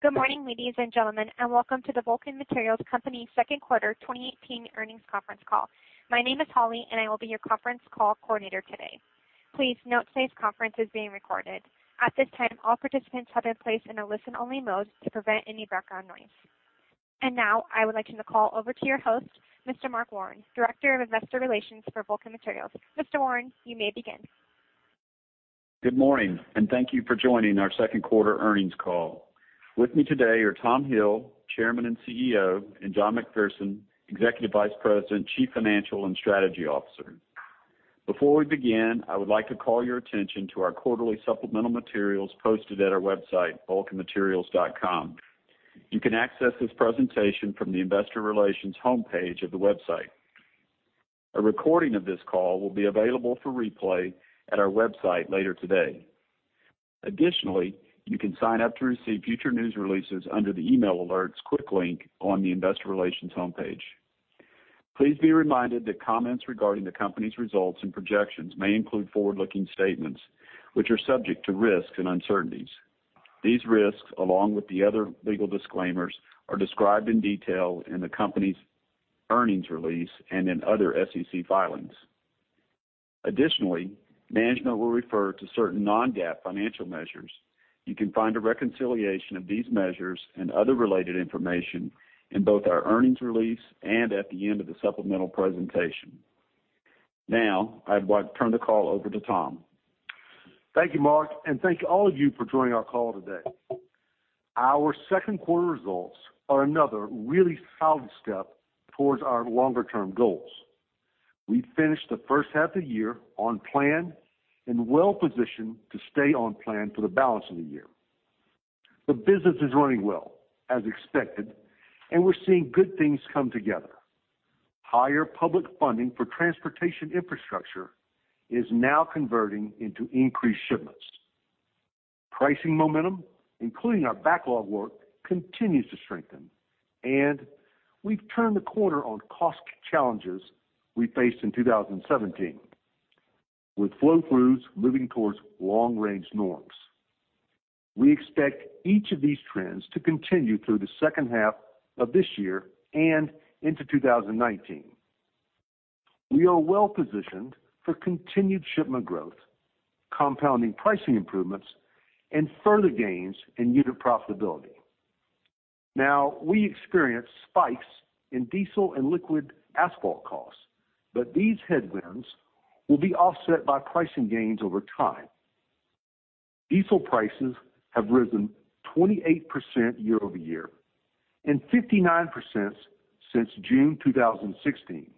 Good morning, ladies and gentlemen, welcome to the Vulcan Materials Company Second Quarter 2018 earnings conference call. My name is Holly, and I will be your conference call coordinator today. Please note today's conference is being recorded. At this time, all participants have been placed in a listen-only mode to prevent any background noise. Now I would like to call over to your host, Mr. Mark Warren, Director of Investor Relations for Vulcan Materials. Mr. Warren, you may begin. Good morning, thank you for joining our second quarter earnings call. With me today are Tom Hill, Chairman and CEO, and John McPherson, Executive Vice President, Chief Financial and Strategy Officer. Before we begin, I would like to call your attention to our quarterly supplemental materials posted at our website, vulcanmaterials.com. You can access this presentation from the investor relations homepage of the website. A recording of this call will be available for replay at our website later today. You can sign up to receive future news releases under the email alerts quick link on the investor relations homepage. Please be reminded that comments regarding the company's results and projections may include forward-looking statements, which are subject to risks and uncertainties. These risks, along with the other legal disclaimers, are described in detail in the company's earnings release and in other SEC filings. Management will refer to certain non-GAAP financial measures. You can find a reconciliation of these measures and other related information in both our earnings release and at the end of the supplemental presentation. I'd like to turn the call over to Tom. Thank you, Mark, thank all of you for joining our call today. Our second quarter results are another really solid step towards our longer-term goals. We finished the first half of the year on plan and well-positioned to stay on plan for the balance of the year. The business is running well, as expected, and we're seeing good things come together. Higher public funding for transportation infrastructure is now converting into increased shipments. Pricing momentum, including our backlog work, continues to strengthen. We've turned the corner on cost challenges we faced in 2017, with flow throughs moving towards long-range norms. We expect each of these trends to continue through the second half of this year and into 2019. We are well-positioned for continued shipment growth, compounding pricing improvements, and further gains in unit profitability. We experienced spikes in diesel and liquid asphalt costs, but these headwinds will be offset by pricing gains over time. Diesel prices have risen 28% year-over-year and 59% since June 2016.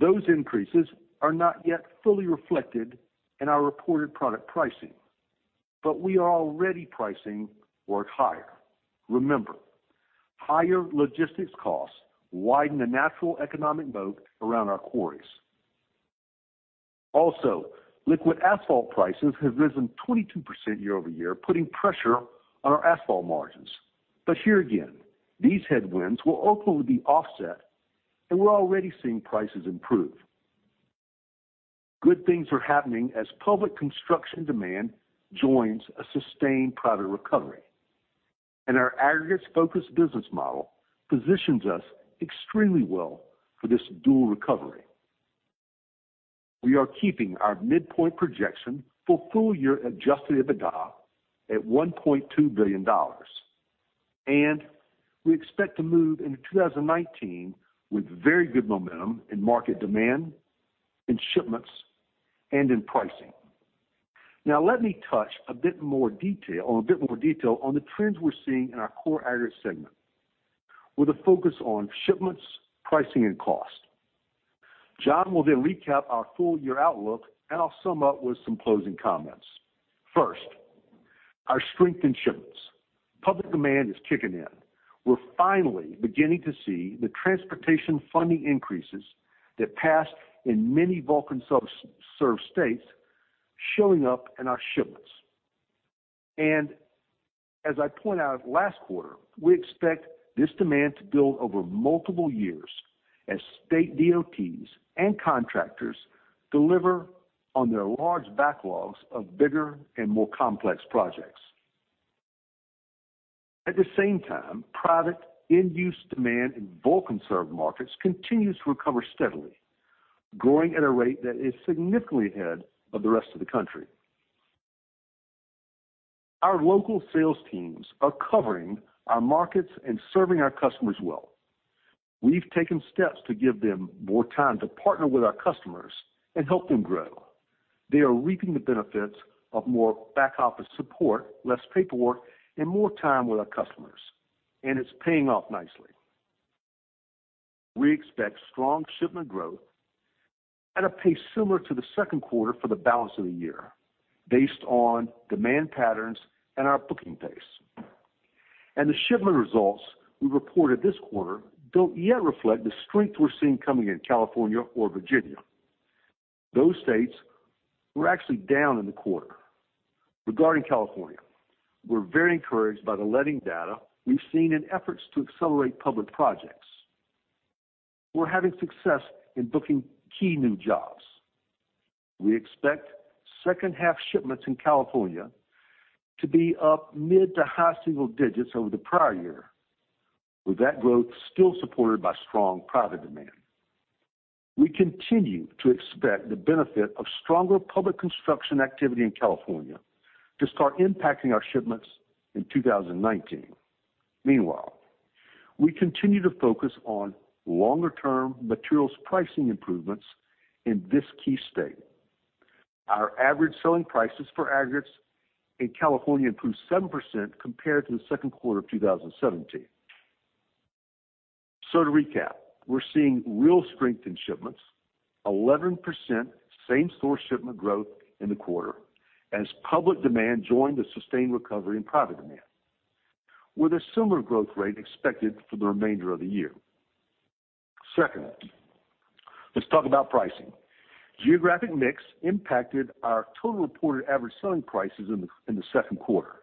Those increases are not yet fully reflected in our reported product pricing, but we are already pricing work higher. Remember, higher logistics costs widen the natural economic moat around our quarries. Liquid asphalt prices have risen 22% year-over-year, putting pressure on our asphalt margins. Here again, these headwinds will ultimately be offset, and we're already seeing prices improve. Good things are happening as public construction demand joins a sustained private recovery. Our aggregates-focused business model positions us extremely well for this dual recovery. We are keeping our midpoint projection for full-year adjusted EBITDA at $1.2 billion. We expect to move into 2019 with very good momentum in market demand, in shipments, and in pricing. Let me touch a bit more detail on the trends we're seeing in our core aggregate segment, with a focus on shipments, pricing, and cost. John will then recap our full-year outlook, and I'll sum up with some closing comments. Our strength in shipments. Public demand is kicking in. We're finally beginning to see the transportation funding increases that passed in many Vulcan-served states showing up in our shipments. As I pointed out last quarter, we expect this demand to build over multiple years as state DOTs and contractors deliver on their large backlogs of bigger and more complex projects. At the same time, private in-use demand in Vulcan-served markets continues to recover steadily, growing at a rate that is significantly ahead of the rest of the country. Our local sales teams are covering our markets and serving our customers well. We've taken steps to give them more time to partner with our customers and help them grow. They are reaping the benefits of more back-office support, less paperwork, and more time with our customers. It's paying off nicely. We expect strong shipment growth at a pace similar to the second quarter for the balance of the year based on demand patterns and our booking pace. The shipment results we reported this quarter don't yet reflect the strength we're seeing coming in California or Virginia. Those states were actually down in the quarter. Regarding California, we're very encouraged by the letting data we've seen in efforts to accelerate public projects. We're having success in booking key new jobs. We expect second half shipments in California to be up mid to high single digits over the prior year, with that growth still supported by strong private demand. We continue to expect the benefit of stronger public construction activity in California to start impacting our shipments in 2019. Meanwhile, we continue to focus on longer term materials pricing improvements in this key state. Our average selling prices for aggregates in California improved 7% compared to the second quarter of 2017. To recap, we're seeing real strength in shipments, 11% same-store shipment growth in the quarter as public demand joined the sustained recovery in private demand, with a similar growth rate expected for the remainder of the year. Let's talk about pricing. Geographic mix impacted our total reported average selling prices in the second quarter.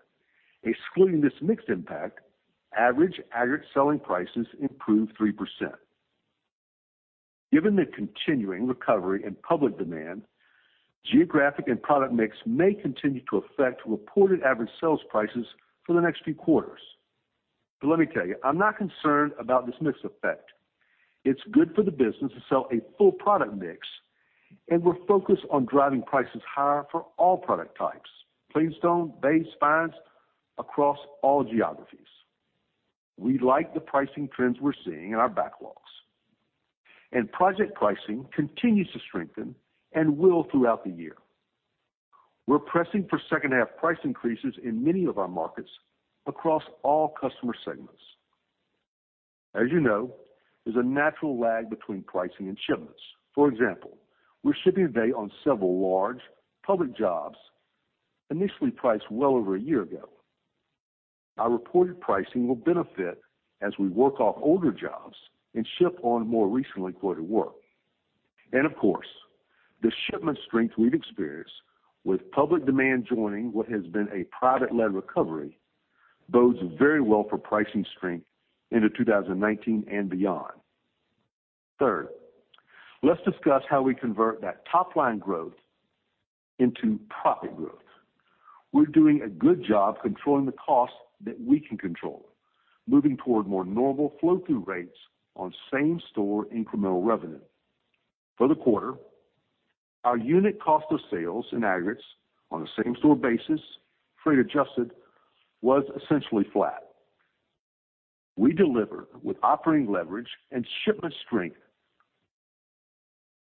Excluding this mixed impact, average aggregate selling prices improved 3%. Given the continuing recovery in public demand, geographic and product mix may continue to affect reported average sales prices for the next few quarters. Let me tell you, I'm not concerned about this mix effect. It's good for the business to sell a full product mix, and we're focused on driving prices higher for all product types, clean stone, base, fines, across all geographies. We like the pricing trends we're seeing in our backlogs. Project pricing continues to strengthen and will throughout the year. We're pressing for second half price increases in many of our markets across all customer segments. As you know, there's a natural lag between pricing and shipments. For example, we're shipping today on several large public jobs initially priced well over a year ago. Our reported pricing will benefit as we work off older jobs and ship on more recently quoted work. Of course, the shipment strength we've experienced with public demand joining what has been a private-led recovery bodes very well for pricing strength into 2019 and beyond. Third, let's discuss how we convert that top-line growth into profit growth. We're doing a good job controlling the costs that we can control, moving toward more normal flow-through rates on same-store incremental revenue. For the quarter, our unit cost of sales in aggregates on a same-store basis, freight adjusted, was essentially flat. We deliver with operating leverage and shipment strength,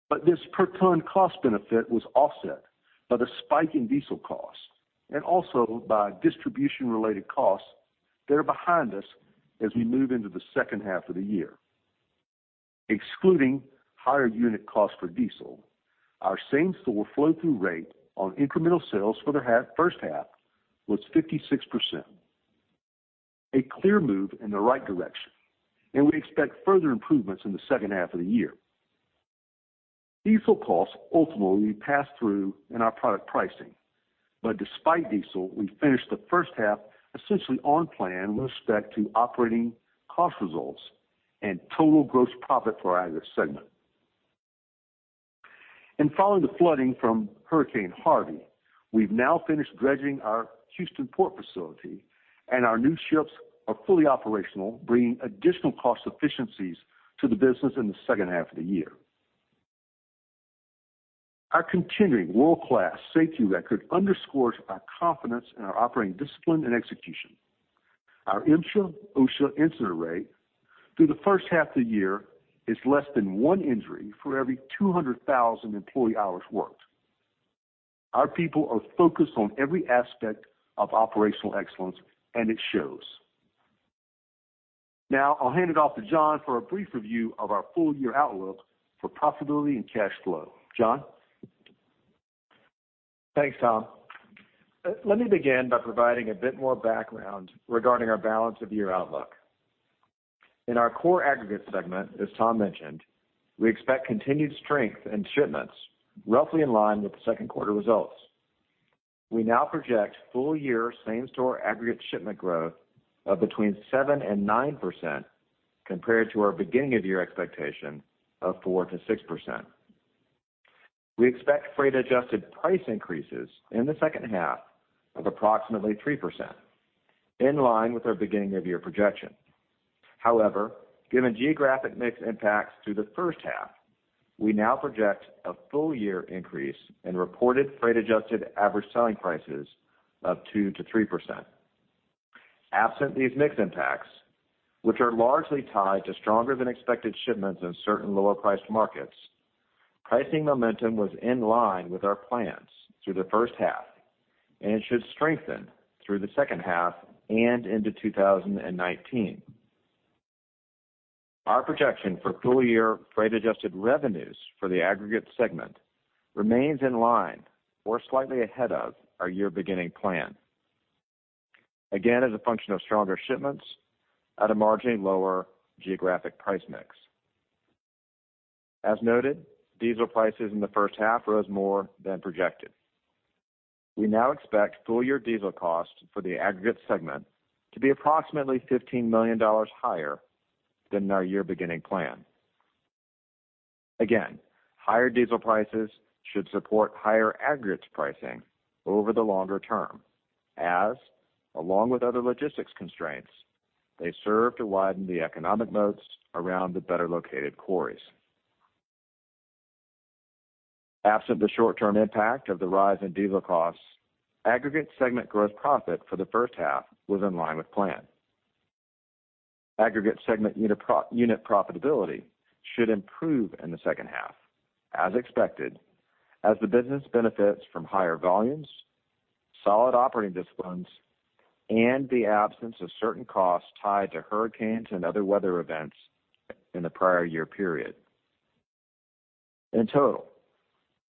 but this per ton cost benefit was offset by the spike in diesel costs and also by distribution related costs that are behind us as we move into the second half of the year. Excluding higher unit cost for diesel, our same store flow through rate on incremental sales for the first half was 56%, a clear move in the right direction, and we expect further improvements in the second half of the year. Despite diesel, we finished the first half essentially on plan with respect to operating cost results and total gross profit for our aggregates segment. Following the flooding from Hurricane Harvey, we've now finished dredging our Houston Port facility, and our new ships are fully operational, bringing additional cost efficiencies to the business in the second half of the year. Our continuing world-class safety record underscores our confidence in our operating discipline and execution. Our MSHA/OSHA incident rate through the first half of the year is less than one injury for every 200,000 employee hours worked. Our people are focused on every aspect of operational excellence, and it shows. Now, I'll hand it off to John for a brief review of our full-year outlook for profitability and cash flow. John? Thanks, Tom. Let me begin by providing a bit more background regarding our balance of year outlook. In our core aggregates segment, as Tom mentioned, we expect continued strength in shipments roughly in line with the second quarter results. We now project full year same store aggregate shipment growth of between 7% and 9% compared to our beginning of year expectation of 4%-6%. We expect freight adjusted price increases in the second half of approximately 3%, in line with our beginning of year projection. However, given geographic mix impacts through the first half, we now project a full year increase in reported freight adjusted average selling prices of 2%-3%. Absent these mix impacts, which are largely tied to stronger than expected shipments in certain lower priced markets, pricing momentum was in line with our plans through the first half. It should strengthen through the second half and into 2019. Our projection for full year freight adjusted revenues for the aggregates segment remains in line or slightly ahead of our year beginning plan. As a function of stronger shipments at a marginally lower geographic price mix. As noted, diesel prices in the first half rose more than projected. We now expect full year diesel cost for the aggregate segment to be approximately $15 million higher than our year beginning plan. Higher diesel prices should support higher aggregates pricing over the longer term, as along with other logistics constraints, they serve to widen the economic moats around the better located quarries. Absent the short-term impact of the rise in diesel costs, aggregate segment gross profit for the first half was in line with plan. Aggregate segment unit profitability should improve in the second half, as expected, as the business benefits from higher volumes, solid operating disciplines, and the absence of certain costs tied to hurricanes and other weather events in the prior year period. In total,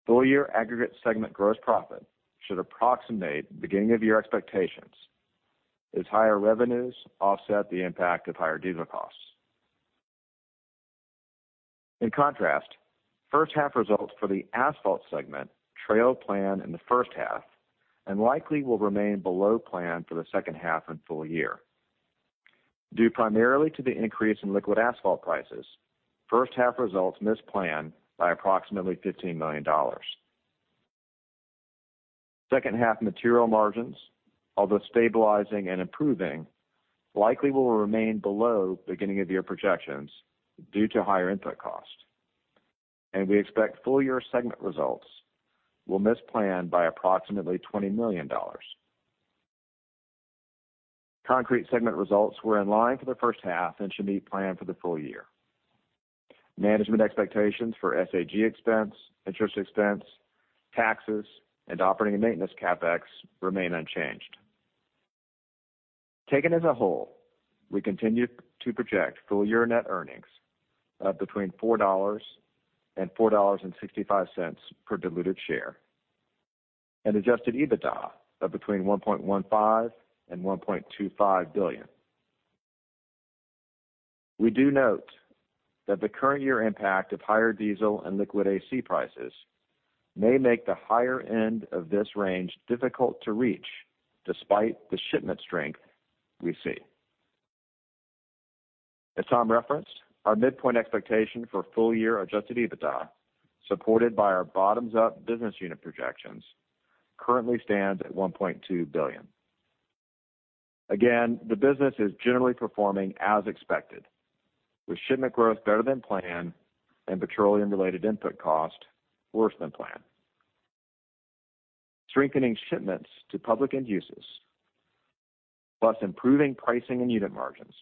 full year aggregate segment gross profit should approximate beginning of year expectations as higher revenues offset the impact of higher diesel costs. In contrast, first half results for the asphalt segment trailed plan in the first half and likely will remain below plan for the second half and full year. Due primarily to the increase in liquid asphalt prices, first half results missed plan by approximately $15 million. Second half material margins, although stabilizing and improving, likely will remain below beginning of year projections due to higher input cost. We expect full year segment results will miss plan by approximately $20 million. Concrete segment results were in line for the first half and should meet plan for the full year. Management expectations for SAG expense, interest expense, taxes, and operating and maintenance CapEx remain unchanged. Taken as a whole, we continue to project full year net earnings of between $4 and $4.65 per diluted share, and adjusted EBITDA of between $1.15 billion and $1.25 billion. We do note that the current year impact of higher diesel and liquid AC prices may make the higher end of this range difficult to reach despite the shipment strength we see. As Tom referenced, our midpoint expectation for full year adjusted EBITDA, supported by our bottoms-up business unit projections, currently stands at $1.2 billion. The business is generally performing as expected, with shipment growth better than planned and petroleum-related input cost worse than planned. Strengthening shipments to public end users, plus improving pricing and unit margins,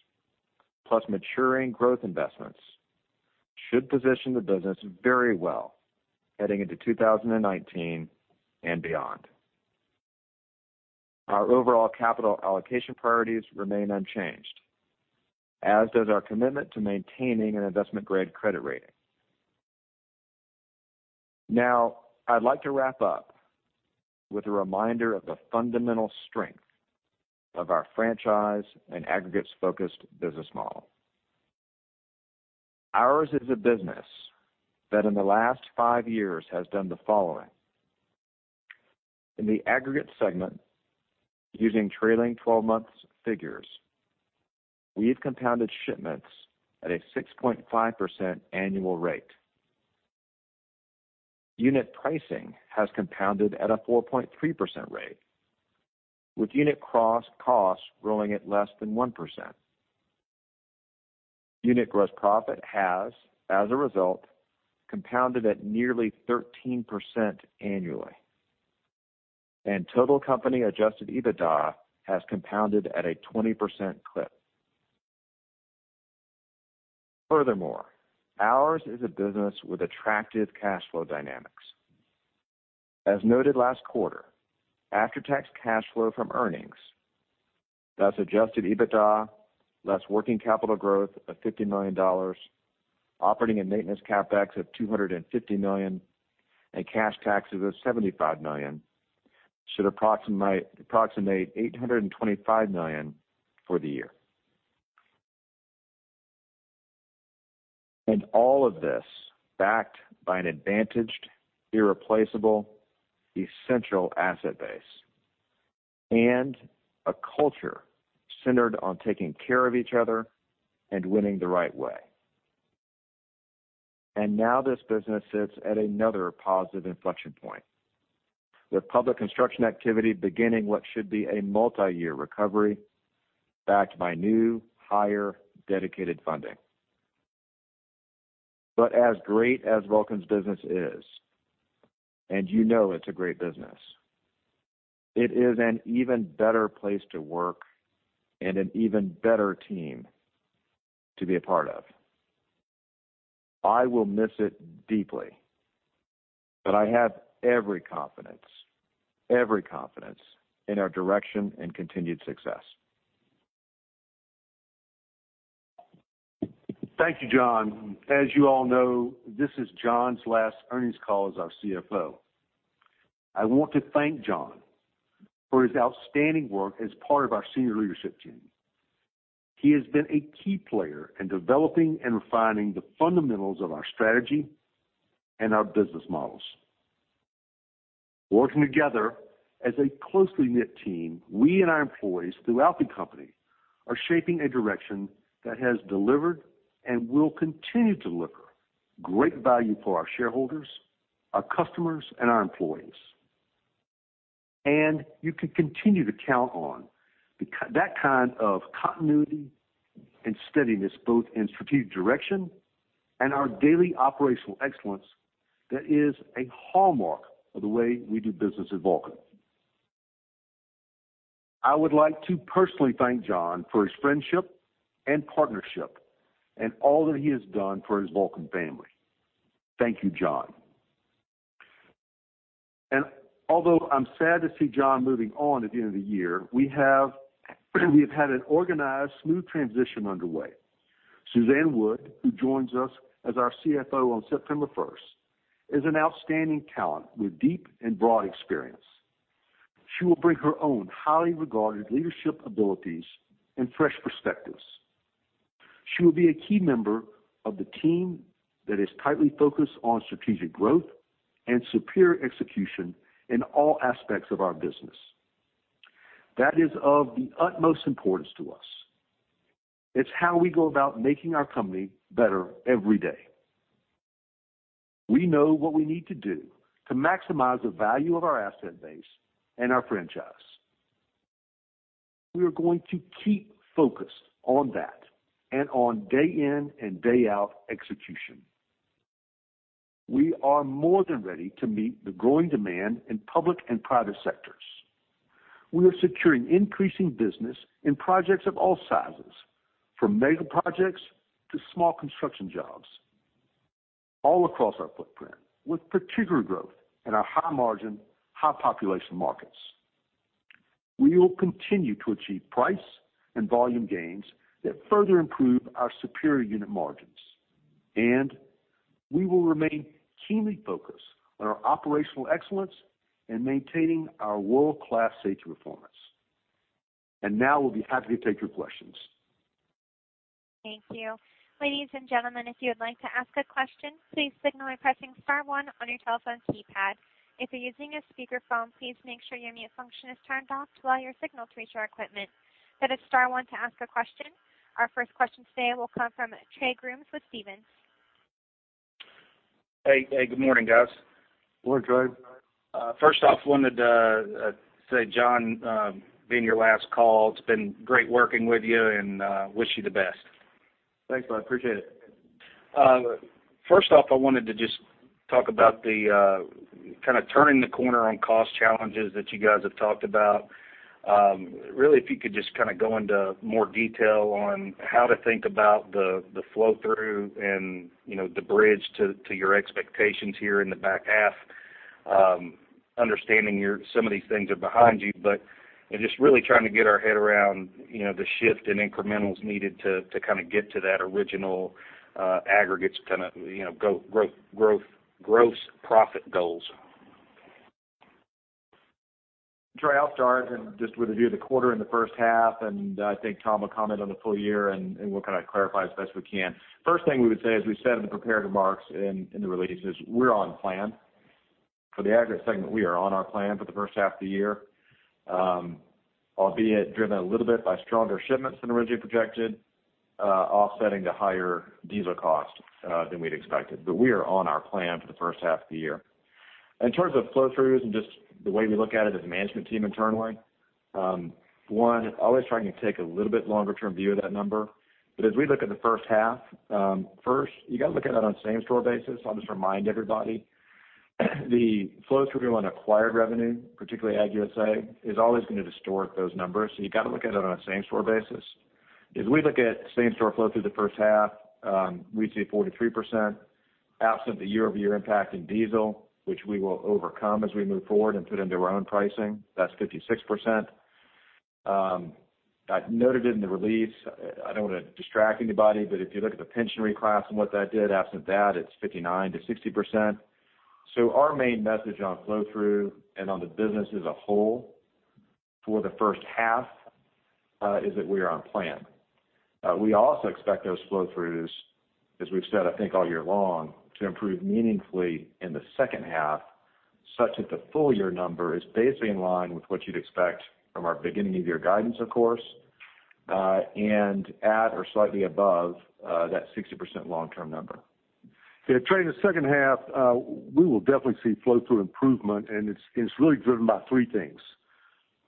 plus maturing growth investments, should position the business very well heading into 2019 and beyond. Our overall capital allocation priorities remain unchanged, as does our commitment to maintaining an investment grade credit rating. I'd like to wrap up with a reminder of the fundamental strength of our franchise and aggregates focused business model. Ours is a business that in the last five years has done the following. In the aggregate segment, using trailing 12 months figures, we've compounded shipments at a 6.5% annual rate. Unit pricing has compounded at a 4.3% rate, with unit cross costs growing at less than 1%. Unit gross profit has, as a result, compounded at nearly 13% annually. Total company adjusted EBITDA has compounded at a 20% clip. Ours is a business with attractive cash flow dynamics. As noted last quarter, after-tax cash flow from earnings, that's adjusted EBITDA less working capital growth of $50 million, operating and maintenance CapEx of $250 million, and cash taxes of $75 million, should approximate $825 million for the year. All of this backed by an advantaged, irreplaceable, essential asset base and a culture centered on taking care of each other and winning the right way. Now this business sits at another positive inflection point, with public construction activity beginning what should be a multi-year recovery backed by new, higher dedicated funding. As great as Vulcan's business is, and you know it's a great business, it is an even better place to work and an even better team to be a part of. I will miss it deeply, but I have every confidence in our direction and continued success. Thank you, John. As you all know, this is John's last earnings call as our CFO. I want to thank John for his outstanding work as part of our senior leadership team. He has been a key player in developing and refining the fundamentals of our strategy and our business models. Working together as a closely-knit team, we and our employees throughout the company are shaping a direction that has delivered and will continue to deliver great value for our shareholders, our customers, and our employees. You can continue to count on that kind of continuity and steadiness, both in strategic direction and our daily operational excellence that is a hallmark of the way we do business at Vulcan. I would like to personally thank John for his friendship and partnership, and all that he has done for his Vulcan family. Thank you, John. Although I'm sad to see John moving on at the end of the year, we have had an organized, smooth transition underway. Suzanne Wood, who joins us as our CFO on September 1st, is an outstanding talent with deep and broad experience. She will bring her own highly regarded leadership abilities and fresh perspectives. She will be a key member of the team that is tightly focused on strategic growth and superior execution in all aspects of our business. That is of the utmost importance to us. It's how we go about making our company better every day. We know what we need to do to maximize the value of our asset base and our franchise. We are going to keep focused on that and on day in and day out execution. We are more than ready to meet the growing demand in public and private sectors. We are securing increasing business in projects of all sizes, from mega projects to small construction jobs all across our footprint, with particular growth in our high margin, high population markets. We will continue to achieve price and volume gains that further improve our superior unit margins, and we will remain keenly focused on our operational excellence in maintaining our world-class safety performance. Now we'll be happy to take your questions. Thank you. Ladies and gentlemen, if you would like to ask a question, please signal by pressing star one on your telephone keypad. If you're using a speakerphone, please make sure your mute function is turned off to allow your signal to reach our equipment. That is star one to ask a question. Our first question today will come from Trey Grooms with Stephens. Hey. Good morning, guys. Good morning, Trey. First off, wanted to say, John, being your last call, it's been great working with you and wish you the best. Thanks, I appreciate it. First off, I wanted to just talk about the kind of turning the corner on cost challenges that you guys have talked about. If you could just go into more detail on how to think about the flow-through and the bridge to your expectations here in the back half, understanding some of these things are behind you. Just really trying to get our head around the shift in incrementals needed to get to that original aggregates kind of gross profit goals. Trey, I'll start just with a view of the quarter and the first half. I think Tom will comment on the full year, and we'll kind of clarify as best we can. First thing we would say, as we said in the prepared remarks in the release, is we're on plan. For the aggregate segment, we are on our plan for the first half of the year, albeit driven a little bit by stronger shipments than originally projected, offsetting the higher diesel cost than we'd expected. We are on our plan for the first half of the year. In terms of flow-throughs and just the way we look at it as a management team internally, one, always trying to take a little bit longer term view of that number. As we look at the first half, first, you got to look at that on same-store basis. I'll just remind everybody. The flow-through on acquired revenue, particularly Aggregates USA, is always going to distort those numbers, you got to look at it on a same-store basis. As we look at same-store flow through the first half, we'd see 43% absent the year-over-year impact in diesel, which we will overcome as we move forward and put into our own pricing. That's 56%. I noted it in the release. I don't want to distract anybody, but if you look at the pension reclass and what that did, absent that, it's 59%-60%. Our main message on flow-through and on the business as a whole for the first half, is that we are on plan. We also expect those flow-throughs, as we've said, I think, all year long, to improve meaningfully in the second half, such that the full year number is basically in line with what you'd expect from our beginning of year guidance, of course, and at or slightly above that 60% long-term number. Yeah, Trey, in the second half, we will definitely see flow-through improvement, and it's really driven by three things.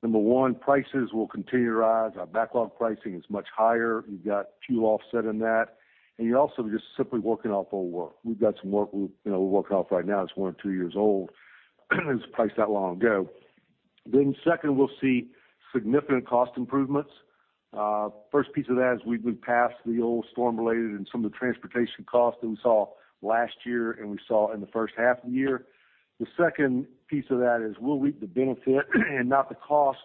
Number one, prices will continue to rise. Our backlog pricing is much higher. You've got fuel offset in that, you're also just simply working off old work. We've got some work we're working off right now that's one or two years old. It was priced out long ago. Second, we'll see significant cost improvements. First piece of that is we've moved past the old storm related and some of the transportation costs that we saw last year and we saw in the first half of the year. The second piece of that is we'll reap the benefit and not the cost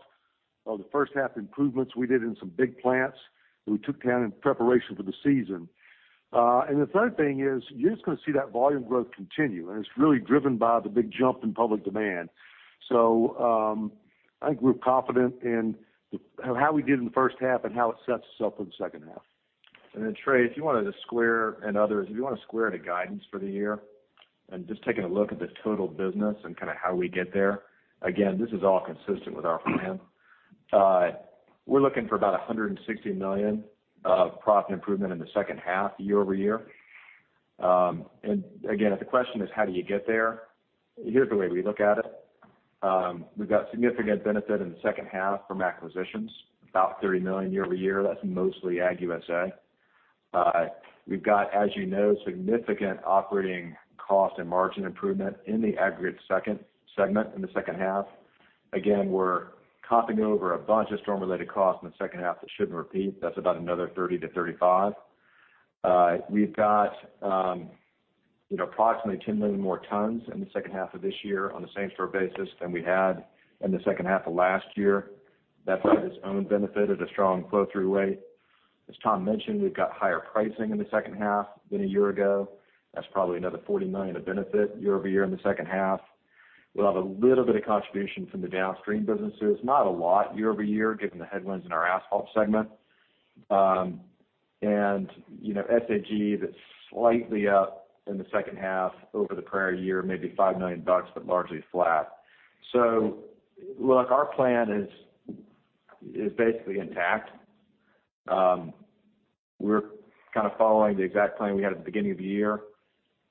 of the first half improvements we did in some big plants that we took down in preparation for the season. The third thing is you're just going to see that volume growth continue, and it's really driven by the big jump in public demand. I think we're confident in how we did in the first half and how it sets us up for the second half. Trey, if you wanted to square to guidance for the year and others, if you want to square to guidance for the year and just taking a look at the total business and how we get there. This is all consistent with our plan. We're looking for about $160 million of profit improvement in the second half year-over-year. If the question is how do you get there? Here's the way we look at it. We've got significant benefit in the second half from acquisitions, about $30 million year-over-year. That's mostly Aggregates USA. We've got, as you know, significant operating cost and margin improvement in the aggregate segment in the second half. We're topping over a bunch of storm-related costs in the second half that shouldn't repeat. That's about another $30 million-$35 million. We've got approximately 10 million more tons in the second half of this year on the same store basis than we had in the second half of last year. That's by its own benefit at a strong flow-through rate. As Tom mentioned, we've got higher pricing in the second half than a year ago. That's probably another $40 million of benefit year-over-year in the second half. We'll have a little bit of contribution from the downstream businesses, not a lot year-over-year, given the headwinds in our asphalt segment. SAG that's slightly up in the second half over the prior year, maybe $5 million, but largely flat. Look, our plan is basically intact. We're kind of following the exact plan we had at the beginning of the year.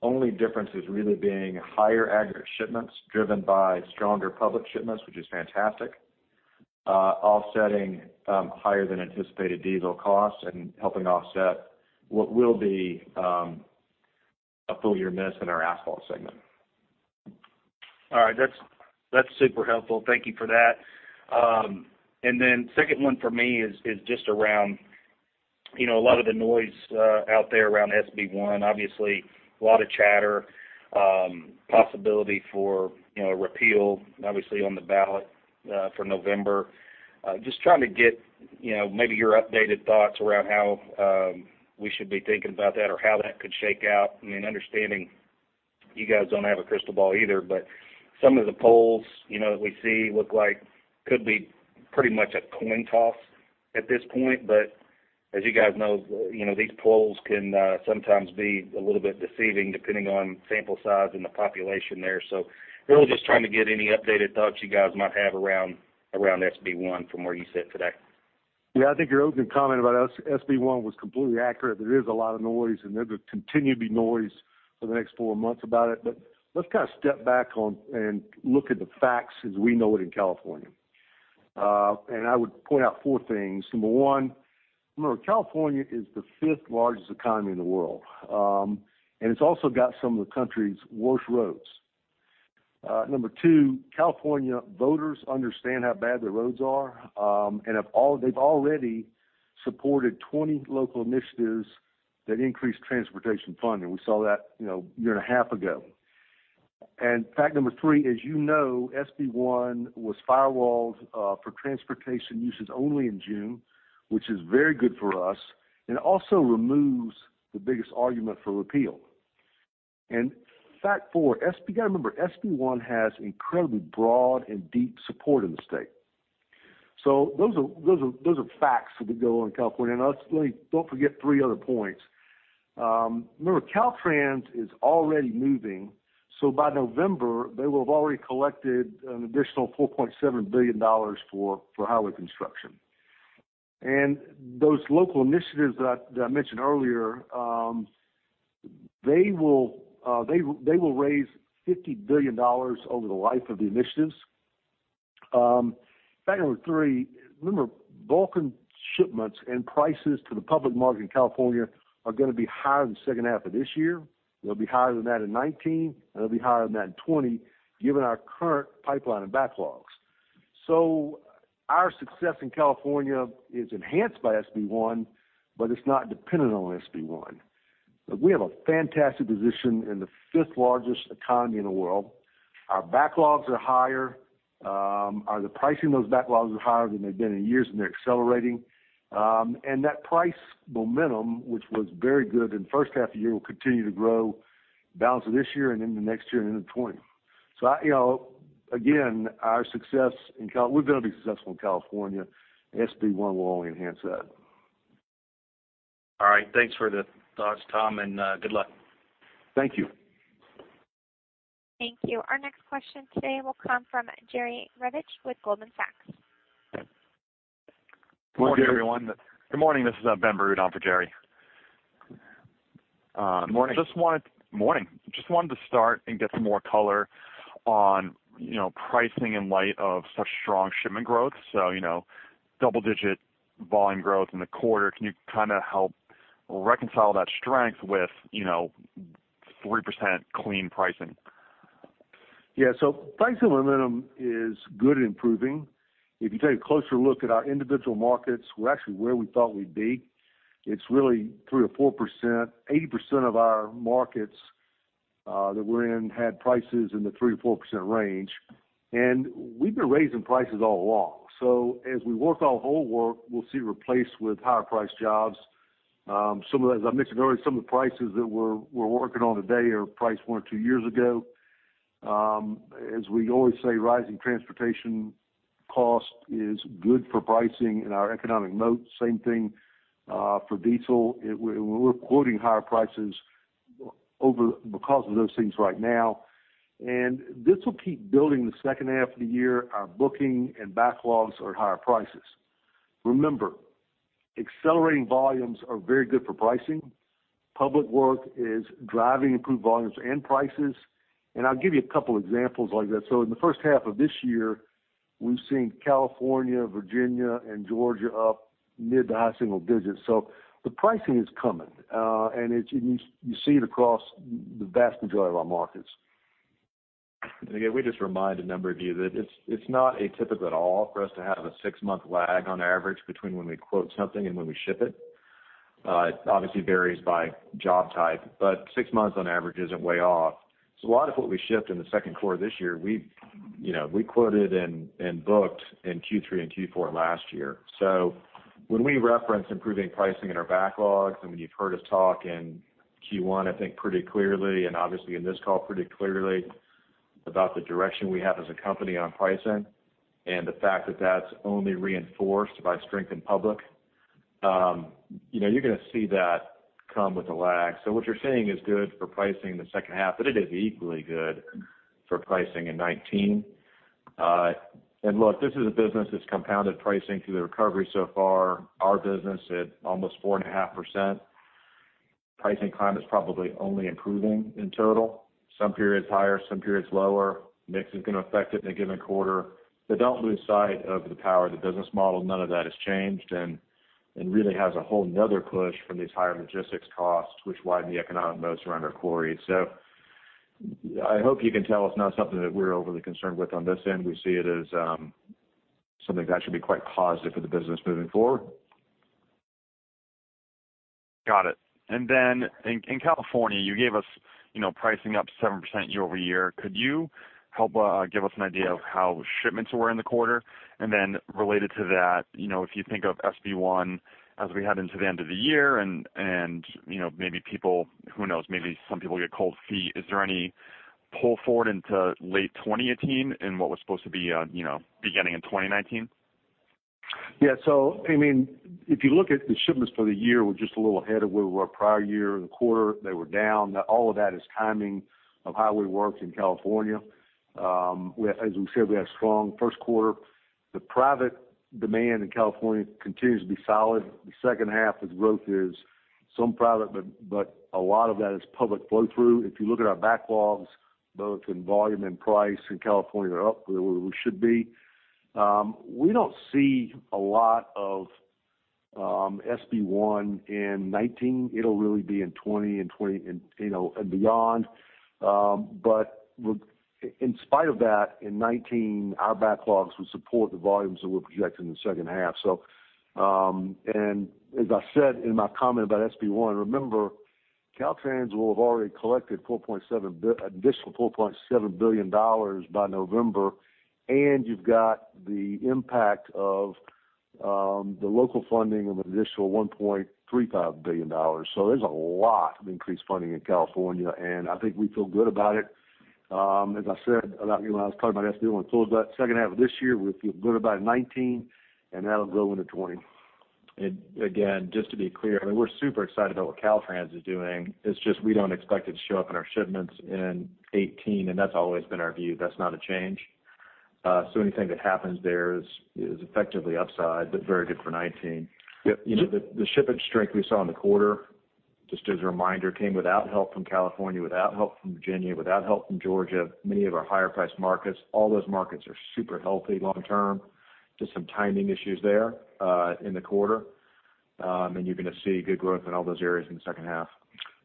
Only difference is really being higher aggregate shipments driven by stronger public shipments, which is fantastic. Offsetting higher than anticipated diesel costs and helping offset what will be a full year miss in our asphalt segment. All right. That's super helpful. Thank you for that. Second one for me is just around a lot of the noise out there around SB 1. Obviously, a lot of chatter, possibility for a repeal, obviously on the ballot for November. Just trying to get maybe your updated thoughts around how we should be thinking about that or how that could shake out. Understanding you guys don't have a crystal ball either, but some of the polls that we see look like could be pretty much a coin toss at this point. As you guys know, these polls can sometimes be a little bit deceiving depending on sample size and the population there. Really just trying to get any updated thoughts you guys might have around SB 1 from where you sit today. Yeah, I think your opening comment about SB 1 was completely accurate. There is a lot of noise, and there's going to continue to be noise for the next four months about it. Let's kind of step back and look at the facts as we know it in California. I would point out four things. Number one, remember, California is the fifth largest economy in the world. It's also got some of the country's worst roads. Number two, California voters understand how bad their roads are. They've already supported 20 local initiatives that increase transportation funding. We saw that a year and a half ago. Fact number three, as you know, SB 1 was firewalled for transportation uses only in June, which is very good for us, and also removes the biggest argument for repeal. Fact four, remember, SB 1 has incredibly broad and deep support in the state. Those are facts that we go on in California. Lastly, don't forget three other points. Remember, Caltrans is already moving, so by November, they will have already collected an additional $4.7 billion for highway construction. Those local initiatives that I mentioned earlier they will raise $50 billion over the life of the initiatives. Fact number three, remember, Vulcan shipments and prices to the public market in California are going to be higher in the second half of this year. They'll be higher than that in 2019, and they'll be higher than that in 2020, given our current pipeline and backlogs. Our success in California is enhanced by SB 1, but it's not dependent on SB 1. We have a fantastic position in the fifth largest economy in the world. Our backlogs are higher. The pricing of those backlogs are higher than they've been in years, and they're accelerating. That price momentum, which was very good in the first half of the year, will continue to grow balance of this year and into next year and into 2020. Again, we're going to be successful in California. SB 1 will only enhance that. All right. Thanks for the thoughts, Tom, and good luck. Thank you. Thank you. Our next question today will come from Jerry Revich with Goldman Sachs. Good morning, everyone. Good morning. This is Ben Rudon for Jerry. Morning. Just wanted to start and get some more color on pricing in light of such strong shipment growth. Double-digit volume growth in the quarter. Can you help reconcile that strength with 3% clean pricing? Yeah. Pricing momentum is good and improving. If you take a closer look at our individual markets, we're actually where we thought we'd be. It's really 3%-4%. 80% of our markets that we're in had prices in the 3%-4% range, and we've been raising prices all along. As we work our whole work, we'll see replace with higher priced jobs. As I mentioned earlier, some of the prices that we're working on today are priced one or two years ago. As we always say, rising transportation cost is good for pricing in our economic moat. Same thing for diesel. We're quoting higher prices because of those things right now, and this will keep building the second half of the year. Our booking and backlogs are at higher prices. Remember, accelerating volumes are very good for pricing. Public work is driving improved volumes and prices. I'll give you a couple examples like that. In the first half of this year, we've seen California, Virginia, and Georgia up mid to high single digits. The pricing is coming, and you see it across the vast majority of our markets. Again, we just remind a number of you that it's not atypical at all for us to have a six-month lag on average between when we quote something and when we ship it. It obviously varies by job type, but six months on average isn't way off. A lot of what we shipped in the second quarter this year, we quoted and booked in Q3 and Q4 last year. When we reference improving pricing in our backlogs, when you've heard us talk in Q1, I think pretty clearly, obviously in this call pretty clearly about the direction we have as a company on pricing and the fact that that's only reinforced by strength in public. You're going to see that come with a lag. What you're seeing is good for pricing in the second half, but it is equally good for pricing in 2019. Look, this is a business that's compounded pricing through the recovery so far. Our business at almost 4.5%. Pricing climate is probably only improving in total. Some periods higher, some periods lower. Mix is going to affect it in a given quarter. Don't lose sight of the power of the business model. None of that has changed and really has a whole another push from these higher logistics costs, which widen the economic moats around our quarry. I hope you can tell it's not something that we're overly concerned with on this end. We see it as something that should be quite positive for the business moving forward. Got it. In California, you gave us pricing up 7% year-over-year. Could you help give us an idea of how shipments were in the quarter? Then related to that, if you think of SB 1 as we head into the end of the year and maybe people, who knows, maybe some people get cold feet, is there any pull forward into late 2018 in what was supposed to be beginning in 2019? Yeah. If you look at the shipments for the year, we're just a little ahead of where we were prior year. In the quarter, they were down. All of that is timing of how we worked in California. As we said, we had a strong first quarter. The private demand in California continues to be solid. The second half of the growth is some private, but a lot of that is public flow-through. If you look at our backlogs, both in volume and price in California are up where we should be. We don't see a lot of SB 1 in 2019. It'll really be in 2020 and beyond. In spite of that, in 2019, our backlogs will support the volumes that we're projecting in the second half. As I said in my comment about SB 1, remember, Caltrans will have already collected additional $4.7 billion by November, and you've got the impact of the local funding of an additional $1.35 billion. There's a lot of increased funding in California, and I think we feel good about it. As I said, when I was talking about SB 1, we feel good about second half of this year. We feel good about 2019, and that'll grow into 2020. Again, just to be clear, we're super excited about what Caltrans is doing. It's just we don't expect it to show up in our shipments in 2018, that's always been our view. That's not a change. Anything that happens there is effectively upside, but very good for 2019. The shipment strength we saw in the quarter, just as a reminder, came without help from California, without help from Virginia, without help from Georgia. Many of our higher priced markets, all those markets are super healthy long term. Just some timing issues there in the quarter. You're going to see good growth in all those areas in the second half.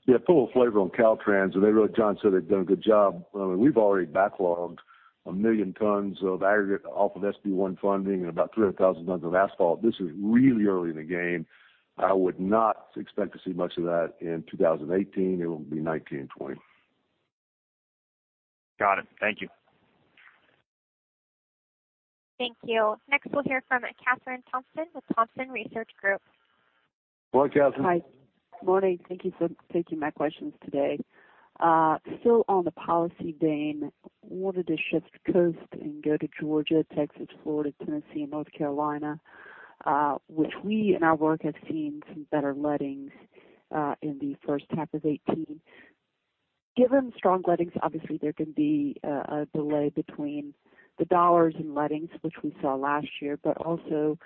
Yeah, full flavor on Caltrans. As John said, they've done a good job. We've already backlogged 1 million tons of aggregate off of SB 1 funding and about 300,000 tons of asphalt. This is really early in the game. I would not expect to see much of that in 2018. It will be 2019, 2020. Got it. Thank you. Thank you. Next, we'll hear from Kathryn Thompson with Thompson Research Group. Hello, Kathryn. Hi. Morning. Thank you for taking my questions today. Still on the policy vein, wanted to shift coast and go to Georgia, Texas, Florida, Tennessee, and North Carolina, which we in our work have seen some better lettings in the first half of 2018. Given strong lettings, obviously there can be a delay between the dollars and lettings, which we saw last year, but also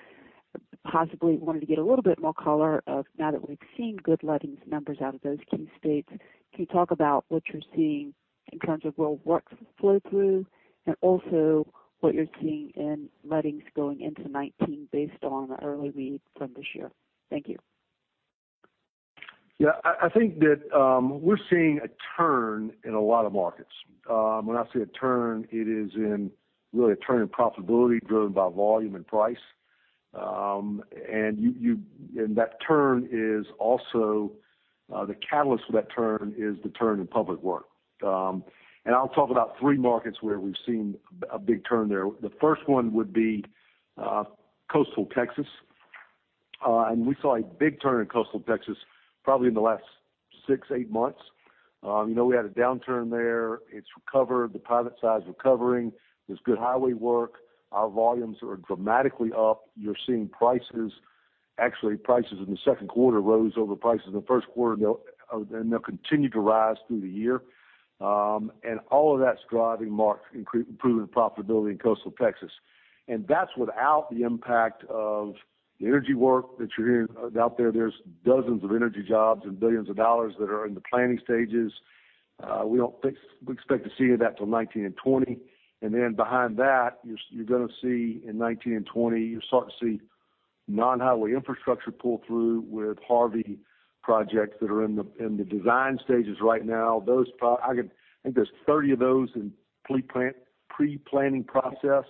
possibly wanted to get a little bit more color of now that we've seen good lettings numbers out of those key states. Can you talk about what you're seeing in terms of roadworks flow through, and also what you're seeing in lettings going into 2019 based on the early read from this year? Thank you. I think that we're seeing a turn in a lot of markets. When I say a turn, it is in really a turn in profitability driven by volume and price. The catalyst for that turn is the turn in public work. I'll talk about three markets where we've seen a big turn there. The first one would be Coastal Texas. We saw a big turn in Coastal Texas probably in the last six, eight months. We had a downturn there. It's recovered. The private side is recovering. There's good highway work. Our volumes are dramatically up. You're seeing prices. Actually, prices in the second quarter rose over prices in the first quarter, and they'll continue to rise through the year. All of that's driving improving profitability in Coastal Texas. That's without the impact of the energy work that you're hearing out there. There's dozens of energy jobs and billions of dollars that are in the planning stages. We don't expect to see any of that till 2019 and 2020. Behind that, you're going to see in 2019 and 2020, you'll start to see non-highway infrastructure pull through with Harvey projects that are in the design stages right now. I think there's 30 of those in pre-planning process.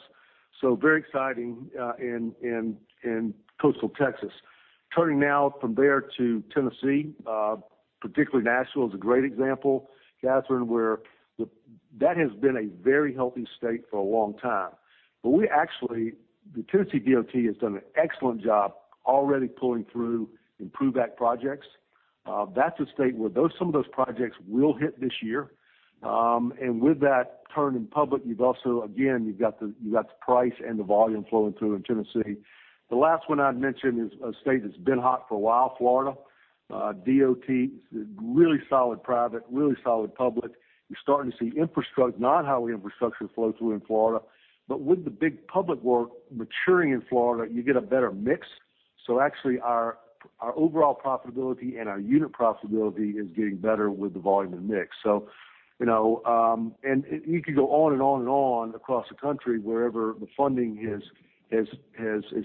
Very exciting in Coastal Texas. Turning now from there to Tennessee, particularly Nashville, is a great example, Kathryn, where that has been a very healthy state for a long time. The Tennessee DOT has done an excellent job already pulling through IMPROVE Act projects. That's a state where some of those projects will hit this year. With that turn in public, you've also, again, you've got the price and the volume flowing through in Tennessee. The last one I'd mention is a state that's been hot for a while, Florida. DOT is really solid private, really solid public. You're starting to see non-highway infrastructure flow through in Florida. With the big public work maturing in Florida, you get a better mix. Actually our overall profitability and our unit profitability is getting better with the volume and mix. You could go on and on across the country wherever the funding is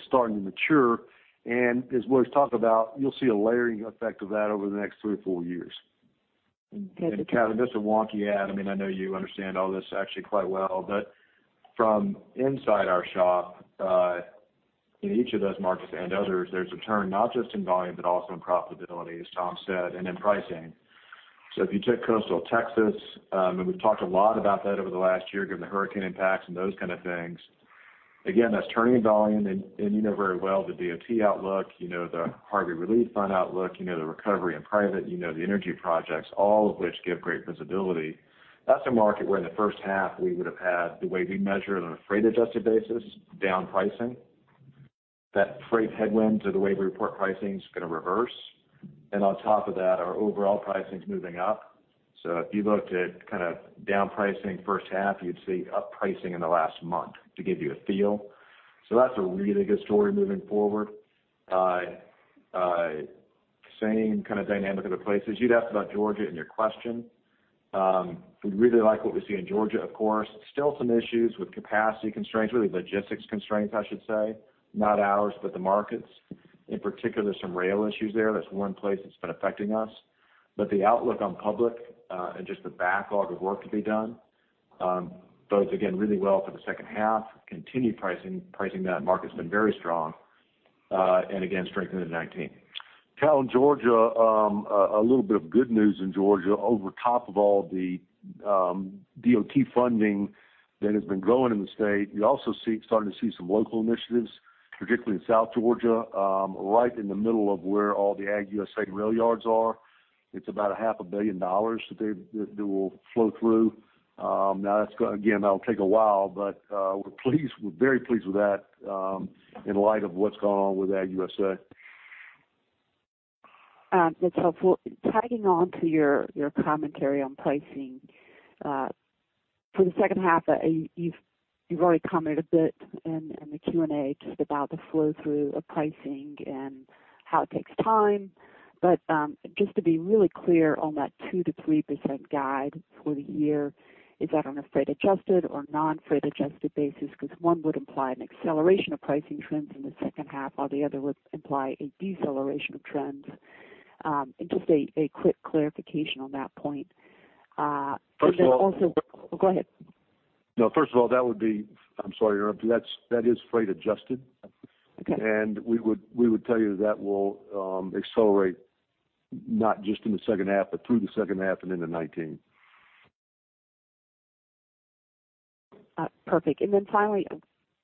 starting to mature. As Roy's talked about, you'll see a layering effect of that over the next three or four years. Kathryn, just a wonky add, I know you understand all this actually quite well, from inside our shop, in each of those markets and others, there's a turn not just in volume, but also in profitability, as Tom said, and in pricing. If you took Coastal Texas, and we've talked a lot about that over the last year, given the Hurricane Harvey impacts and those kind of things. Again, that's turning volume, and you know very well the DOT outlook, you know the Harvey Relief Fund outlook, you know the recovery in private, you know the energy projects, all of which give great visibility. That's a market where in the first half we would have had, the way we measure it on a freight adjusted basis, down pricing. That freight headwind to the way we report pricing is going to reverse. On top of that, our overall pricing's moving up. If you looked at down pricing first half, you'd see up pricing in the last month, to give you a feel. That's a really good story moving forward. Same kind of dynamic other places. You'd asked about Georgia in your question. We really like what we see in Georgia, of course. Still some issues with capacity constraints, really logistics constraints, I should say. Not ours, but the market's. In particular, some rail issues there. That's one place that's been affecting us. The outlook on public, and just the backlog of work to be done, bodes again really well for the second half. Continued pricing in that market's been very strong. Again, strengthening in 2019. Kathryn, Georgia, a little bit of good news in Georgia. Over top of all the DOT funding that has been growing in the state, you're also starting to see some local initiatives, particularly in South Georgia, right in the middle of where all the Aggregates USA rail yards are. It's about a half a billion dollars that will flow through. Again, that'll take a while, but we're very pleased with that in light of what's gone on with Aggregates USA. That's helpful. Tagging onto your commentary on pricing. For the second half, you've already commented a bit in the Q&A just about the flow through of pricing and how it takes time. Just to be really clear on that 2%-3% guide for the year, is that on a freight adjusted or non-freight adjusted basis? Because one would imply an acceleration of pricing trends in the second half, while the other would imply a deceleration of trends. Just a quick clarification on that point. Then also-- First of all. Go ahead. No, first of all, that would be, I'm sorry to interrupt you, that is freight adjusted. Okay. We would tell you that will accelerate not just in the second half, but through the second half and into 2019. Perfect. Then finally,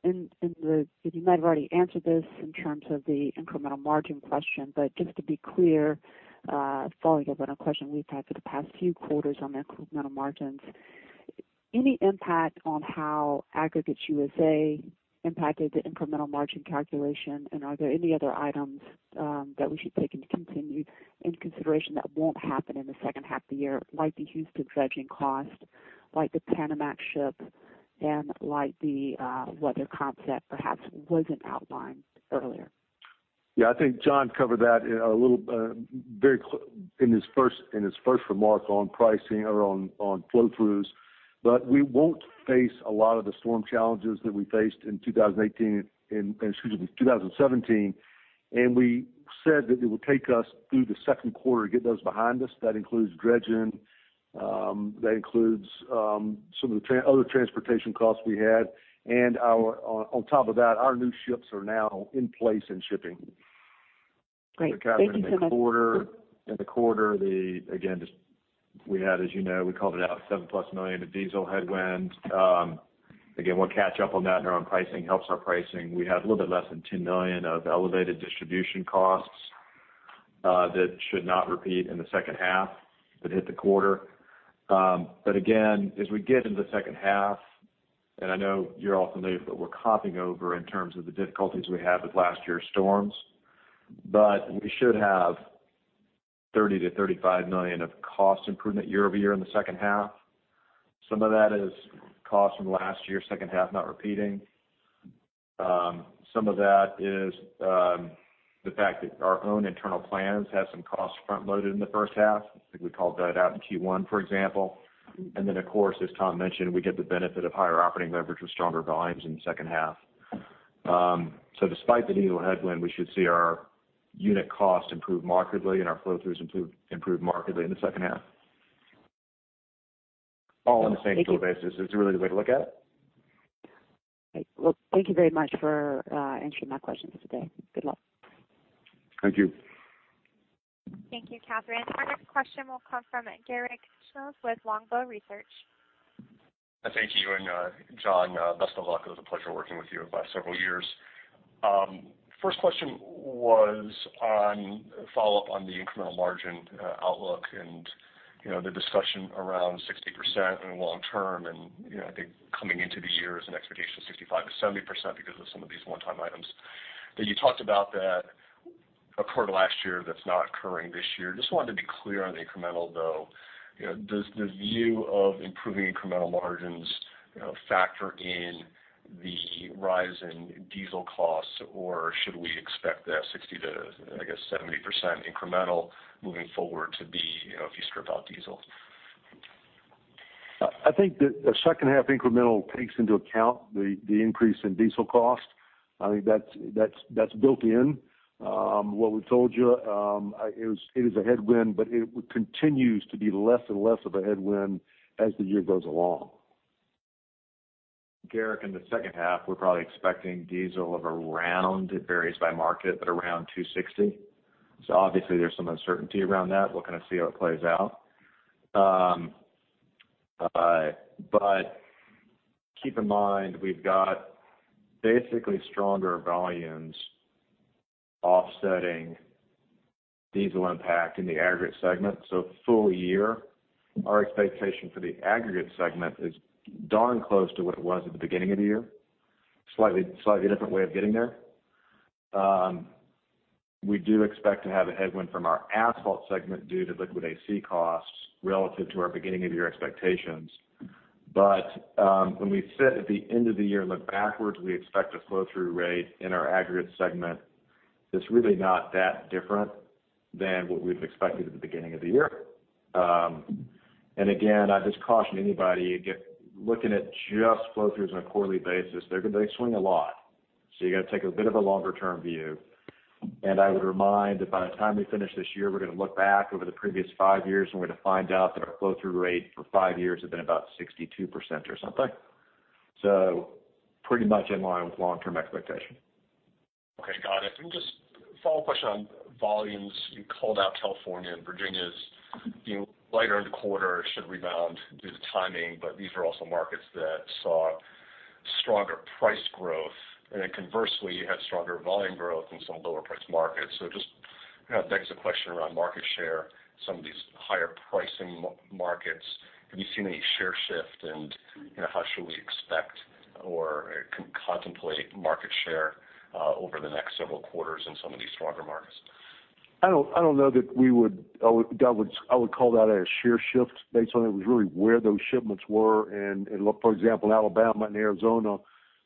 you might have already answered this in terms of the incremental margin question, but just to be clear, following up on a question we've had for the past few quarters on incremental margins. Any impact on how Aggregates USA impacted the incremental margin calculation, and are there any other items that we should take into consideration that won't happen in the second half of the year, like the Houston dredging cost, like the Panamax ship, and like the weather concept perhaps wasn't outlined earlier? I think John covered that in his first remark on pricing or on flow throughs. We won't face a lot of the storm challenges that we faced in 2018, and excuse me, 2017. We said that it would take us through the second quarter to get those behind us. That includes dredging, that includes some of the other transportation costs we had. On top of that, our new ships are now in place and shipping. Great. Thank you so much. Kathryn, in the quarter, as you know, we called it out, $7 million+ of diesel headwind. We'll catch up on that in our own pricing, helps our pricing. We had a little bit less than $10 million of elevated distribution costs that should not repeat in the second half that hit the quarter. As we get into the second half, and I know you're also, [inaudible] we're lapping over in terms of the difficulties we had with last year's storms. We should have $30 million-$35 million of cost improvement year-over-year in the second half. Some of that is cost from last year, second half not repeating. Some of that is the fact that our own internal plans have some cost front-loaded in the first half. I think we called that out in Q1, for example. Of course, as Tom mentioned, we get the benefit of higher operating leverage with stronger volumes in the second half. Despite the diesel headwind, we should see our unit cost improve markedly and our flow-throughs improve markedly in the second half. All on the same tool basis is really the way to look at it. Great. Thank you very much for answering my questions today. Good luck. Thank you. Thank you, Kathryn. Our next question will come from Garik Shmois with Longbow Research. Thank you. John, best of luck. It was a pleasure working with you over the past several years. First question was on follow-up on the incremental margin outlook, and the discussion around 60% in the long term, and I think coming into the year as an expectation of 65%-70% because of some of these one-time items. You talked about that occurred last year, that's not occurring this year. Just wanted to be clear on the incremental, though. Does the view of improving incremental margins factor in the rise in diesel costs or should we expect that 60% to, I guess, 70% incremental moving forward to be if you strip out diesel? I think that the second half incremental takes into account the increase in diesel cost. I think that's built in. What we told you, it is a headwind, but it continues to be less and less of a headwind as the year goes along. Garik, in the second half, we're probably expecting diesel of around, it varies by market, but around $2.60. Obviously there's some uncertainty around that. We'll kind of see how it plays out. Keep in mind, we've got basically stronger volumes offsetting diesel impact in the aggregate segment. Full year, our expectation for the aggregate segment is darn close to what it was at the beginning of the year. Slightly different way of getting there. We do expect to have a headwind from our asphalt segment due to liquid AC costs relative to our beginning of year expectations. When we sit at the end of the year and look backwards, we expect a flow-through rate in our aggregate segment that's really not that different than what we've expected at the beginning of the year. I'd just caution anybody, looking at just flow-throughs on a quarterly basis, they swing a lot. You got to take a bit of a longer-term view. I would remind that by the time we finish this year, we're going to look back over the previous five years, and we're going to find out that our flow-through rate for five years has been about 62% or something. Pretty much in line with long-term expectation. Okay. Got it. Just a follow-up question on volumes. You called out California and Virginia as being lighter in the quarter, should rebound due to timing, these are also markets that saw stronger price growth. Conversely, you had stronger volume growth in some lower priced markets. Just begs the question around market share, some of these higher pricing markets. Have you seen any share shift? How should we expect or contemplate market share over the next several quarters in some of these stronger markets? I don't know that I would call that a share shift based on it was really where those shipments were. For example, in Alabama and Arizona,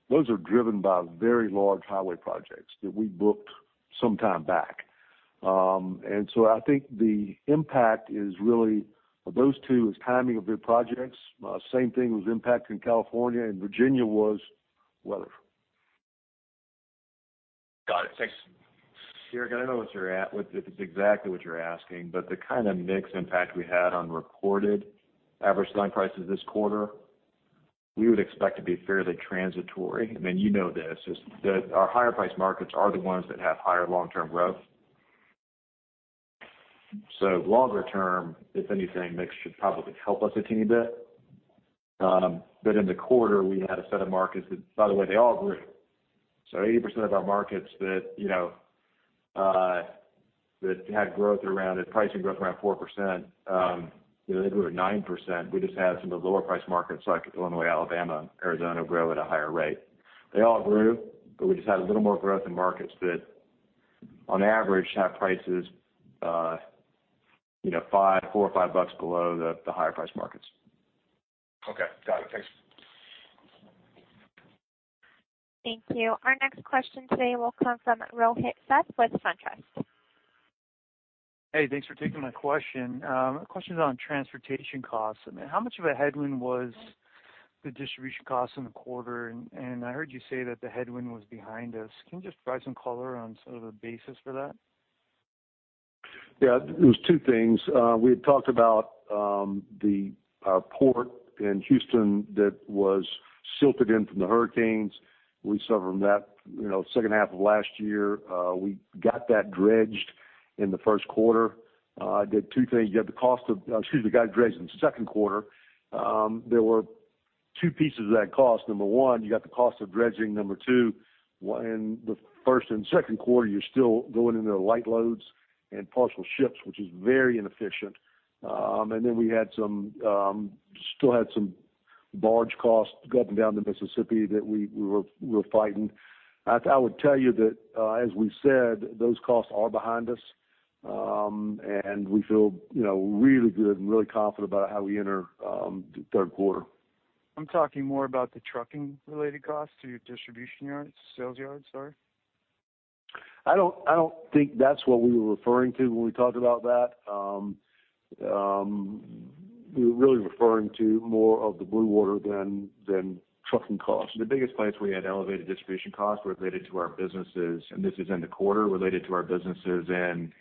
those are driven by very large highway projects that we booked some time back. I think the impact is really, of those two, is timing of their projects. Same thing was impacting California and Virginia was weather. Got it. Thanks. Garik, I know it's exactly what you're asking, but the kind of mix impact we had on reported average selling prices this quarter, we would expect to be fairly transitory. You know this, is that our higher priced markets are the ones that have higher long-term growth. Longer term, if anything, mix should probably help us a teeny bit. In the quarter, we had a set of markets that, by the way, they all grew. 80% of our markets that had pricing growth around 4%, I think we were 9%, we just had some of the lower priced markets like Illinois, Alabama, and Arizona grow at a higher rate. They all grew, but we just had a little more growth in markets that on average have prices $4 or $5 below the higher priced markets. Okay. Got it. Thanks. Thank you. Our next question today will come from Rohit Seth with SunTrust. Hey, thanks for taking my question. My question is on transportation costs. How much of a headwind was the distribution costs in the quarter? I heard you say that the headwind was behind us. Can you just provide some color on sort of a basis for that? It was two things. We had talked about the port in Houston that was silted in from the hurricanes. We suffered from that second half of last year. We got that dredged in the first quarter. Did two things. Got it dredged in the second quarter. There were two pieces of that cost. Number 1, you got the cost of dredging. Number 2, in the first and second quarter, you're still going into the light loads and partial ships, which is very inefficient. We still had some barge costs go up and down the Mississippi that we were fighting. I would tell you that, as we said, those costs are behind us, and we feel really good and really confident about how we enter the third quarter. I'm talking more about the trucking related costs to your distribution yards, sales yards, sorry. I don't think that's what we were referring to when we talked about that. We were really referring to more of the blue water than trucking costs. The biggest place we had elevated distribution costs related to our businesses, and this is in the quarter, related to our businesses in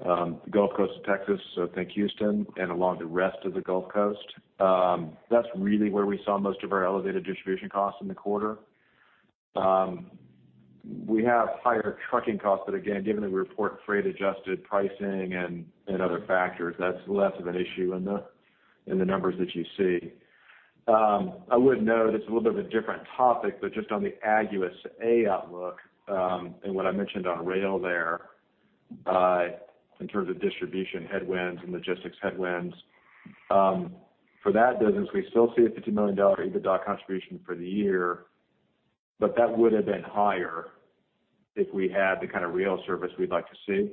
the Gulf Coast of Texas, so think Houston and along the rest of the Gulf Coast. That's really where we saw most of our elevated distribution costs in the quarter. Given that we report freight adjusted pricing and other factors, that's less of an issue in the numbers that you see. I would note, it's a little bit of a different topic, just on the AgUSA outlook, and what I mentioned on rail there, in terms of distribution headwinds and logistics headwinds. For that business, we still see a $50 million EBITDA contribution for the year, that would have been higher if we had the kind of rail service we'd like to see.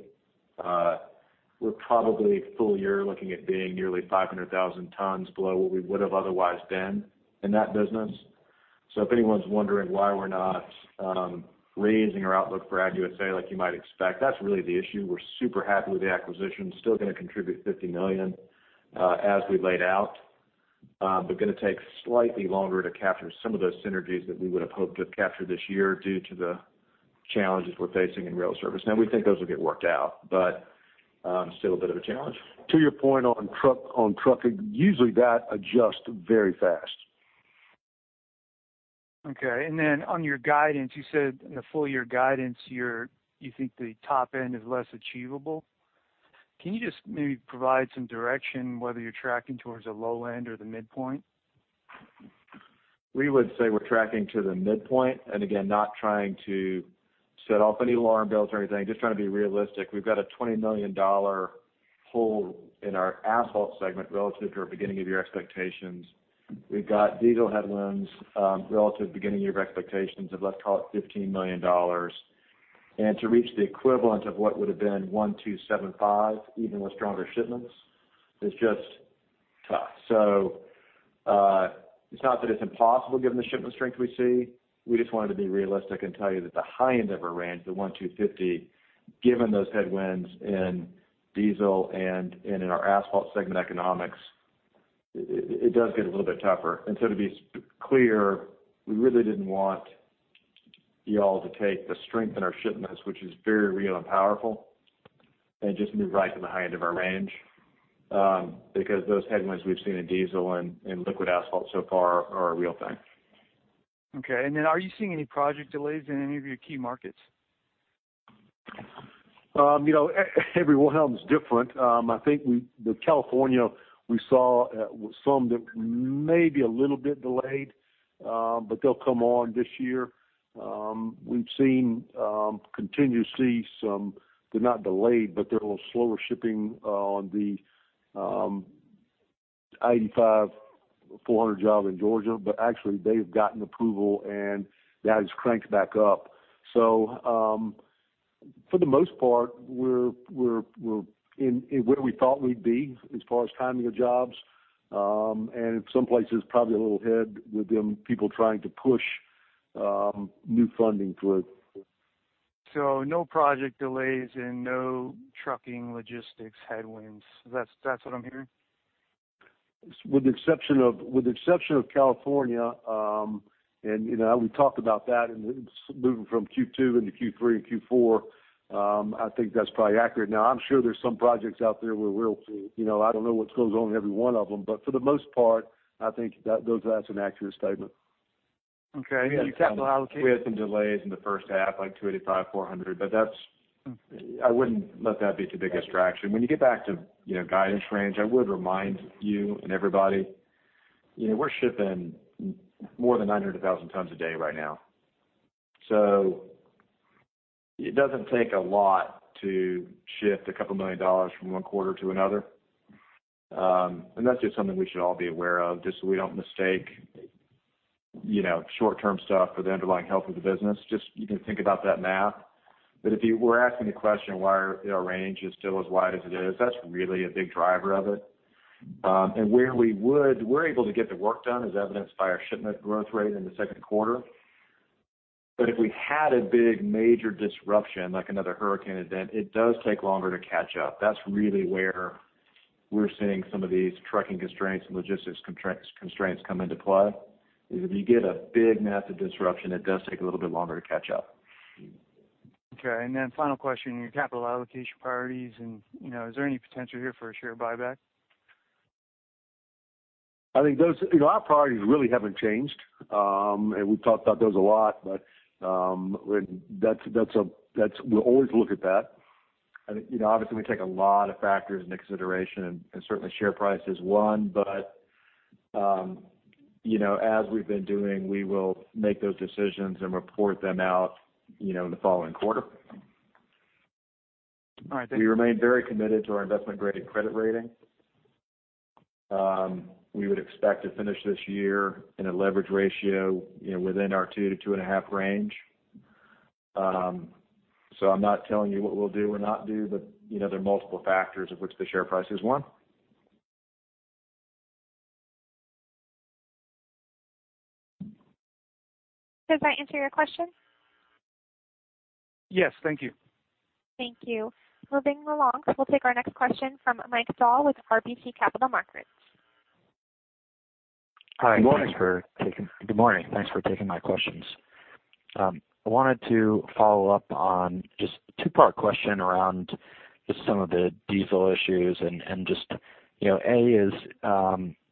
We're probably full year looking at being nearly 500,000 tons below what we would have otherwise been in that business. If anyone's wondering why we're not raising our outlook for AgUSA like you might expect, that's really the issue. We're super happy with the acquisition. Still going to contribute $50 million, as we laid out. Going to take slightly longer to capture some of those synergies that we would have hoped to have captured this year due to the challenges we're facing in rail service. We think those will get worked out, but still a bit of a challenge. To your point on trucking, usually that adjusts very fast. Okay. On your guidance, you said in the full year guidance, you think the top end is less achievable. Can you just maybe provide some direction whether you're tracking towards the low end or the midpoint? We would say we're tracking to the midpoint. Again, not trying to set off any alarm bells or anything, just trying to be realistic. We've got a $20 million hole in our asphalt segment relative to our beginning of year expectations. We've got diesel headwinds relative to beginning of year expectations of, let's call it $15 million. To reach the equivalent of what would have been 1,275, even with stronger shipments, is just tough. It's not that it's impossible given the shipment strength we see. We just wanted to be realistic and tell you that the high end of our range, the 1,250, given those headwinds in diesel and in our asphalt segment economics, it does get a little bit tougher. To be clear, we really didn't want you all to take the strength in our shipments, which is very real and powerful, and just move right to the high end of our range. Those headwinds we've seen in diesel and liquid asphalt so far are a real thing. Okay. Are you seeing any project delays in any of your key markets? Every one of them is different. I think with California, we saw some that may be a little bit delayed, but they'll come on this year. We've continued to see some, they're not delayed, but they're a little slower shipping on the I-85/GA 400 job in Georgia. Actually, they have gotten approval and that is cranked back up. For the most part, we're in where we thought we'd be as far as timing of jobs. In some places, probably a little ahead with people trying to push new funding through. No project delays and no trucking logistics headwinds. That's what I'm hearing? With the exception of California, we talked about that moving from Q2 into Q3 and Q4, I think that's probably accurate. I'm sure there's some projects out there where we'll see. I don't know what goes on in every one of them. For the most part, I think that's an accurate statement. Okay. Your capital allocation? We had some delays in the first half, like I-285, 400, I wouldn't let that be the biggest traction. When you get back to guidance range, I would remind you and everybody, we're shipping more than 900,000 tons a day right now. It doesn't take a lot to shift a couple million dollars from one quarter to another. That's just something we should all be aware of, just so we don't mistake short-term stuff for the underlying health of the business. Just you can think about that math. If you were asking the question why our range is still as wide as it is, that's really a big driver of it. We're able to get the work done, as evidenced by our shipment growth rate in the second quarter. If we had a big major disruption, like another hurricane event, it does take longer to catch up. That's really where we're seeing some of these trucking constraints and logistics constraints come into play, is if you get a big massive disruption, it does take a little bit longer to catch up. Okay, then final question, your capital allocation priorities, and is there any potential here for a share buyback? I think Our priorities really haven't changed. We've talked about those a lot, but we'll always look at that. Obviously, we take a lot of factors into consideration, and certainly share price is one. As we've been doing, we will make those decisions and report them out in the following quarter. All right. Thank you. We remain very committed to our investment-grade credit rating. We would expect to finish this year in a leverage ratio within our two to two and a half range. I'm not telling you what we'll do or not do, but there are multiple factors of which the share price is one. Does that answer your question? Yes. Thank you. Thank you. Moving along. We'll take our next question from Michael Sala with RBC Capital Markets. Hi. Good morning. Good morning. Thanks for taking my questions. I wanted to follow up on just two-part question around just some of the diesel issues and just, A, is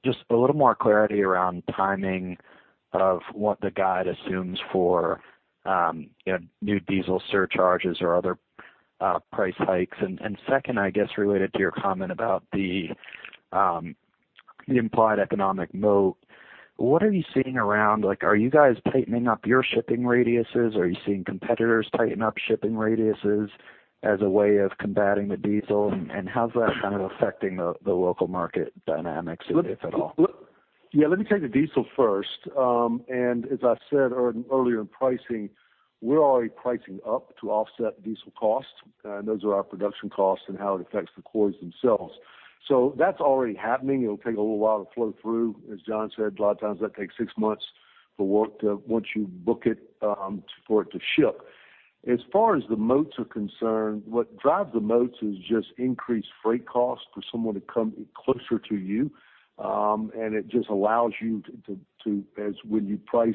just a little more clarity around timing of what the guide assumes for new diesel surcharges or other price hikes. Second, I guess, related to your comment about the implied economic moat, what are you seeing around, are you guys tightening up your shipping radiuses? Are you seeing competitors tighten up shipping radiuses as a way of combating the diesel? How's that kind of affecting the local market dynamics, if at all? Yeah, let me take the diesel first. As I said earlier in pricing, we're already pricing up to offset diesel costs, and those are our production costs and how it affects the quarries themselves. That's already happening. It'll take a little while to flow through. As John said, a lot of times that takes six months for work to, once you book it, for it to ship. As far as the moats are concerned, what drives the moats is just increased freight costs for someone to come closer to you. It just allows you to, as when you price,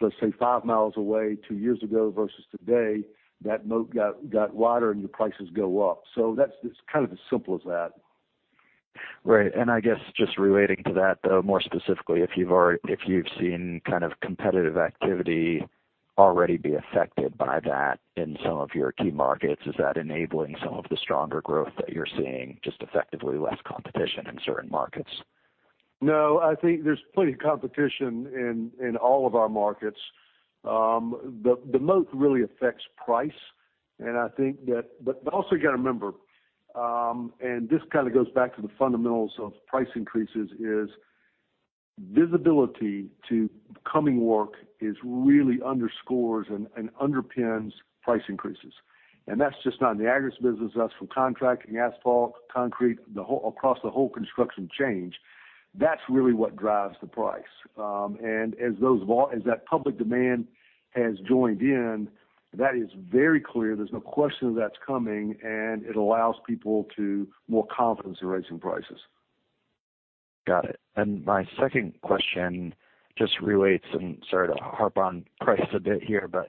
let's say, five miles away two years ago versus today, that moat got wider, and your prices go up. That's, it's kind of as simple as that. Right. I guess just relating to that, though, more specifically, if you've seen kind of competitive activity already be affected by that in some of your key markets, is that enabling some of the stronger growth that you're seeing, just effectively less competition in certain markets? No, I think there's plenty of competition in all of our markets. The moat really affects price, and I think that. Also you got to remember, this kind of goes back to the fundamentals of price increases, is visibility to coming work is really underscores and underpins price increases. That's just not in the aggregates business, that's from contracting, asphalt, concrete, across the whole construction chain. That's really what drives the price. As that public demand has joined in, that is very clear. There's no question that's coming, and it allows people to more confidence in raising prices. Got it. My second question just relates, and sorry to harp on price a bit here. It's all right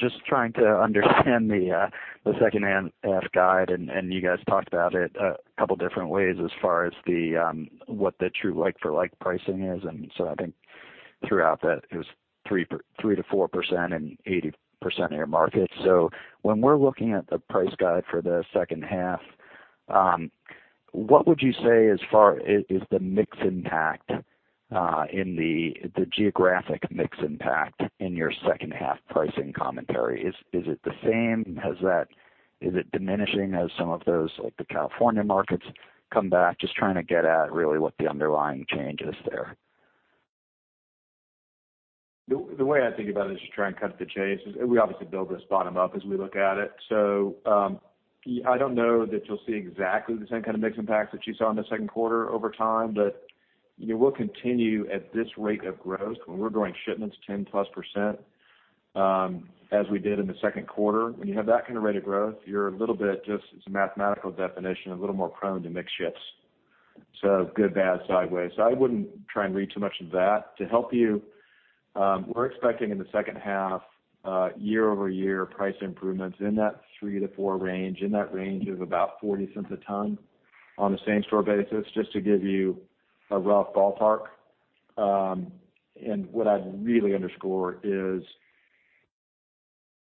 Just trying to understand the second half guide, and you guys talked about it a couple different ways as far as what the true like for like pricing is. I think throughout that it was 3%-4% in 80% of your markets. When we're looking at the price guide for the second half, what would you say as far as the geographic mix impact in your second half pricing commentary? Is it the same? Is it diminishing as some of those, like the California markets come back? Just trying to get at really what the underlying change is there. The way I think about it is just try and cut to the chase, we obviously build this bottom up as we look at it. I don't know that you'll see exactly the same kind of mix impacts that you saw in the second quarter over time. You will continue at this rate of growth. When we're growing shipments 10-plus percent, as we did in the second quarter. When you have that kind of rate of growth, you're a little bit, as a mathematical definition, a little more prone to mix shifts. Good, bad, sideways. I wouldn't try and read too much into that. To help you, we're expecting in the second half, year-over-year price improvements in that 3-4 range, in that range of about $0.40 a ton on a same store basis, just to give you a rough ballpark. What I'd really underscore is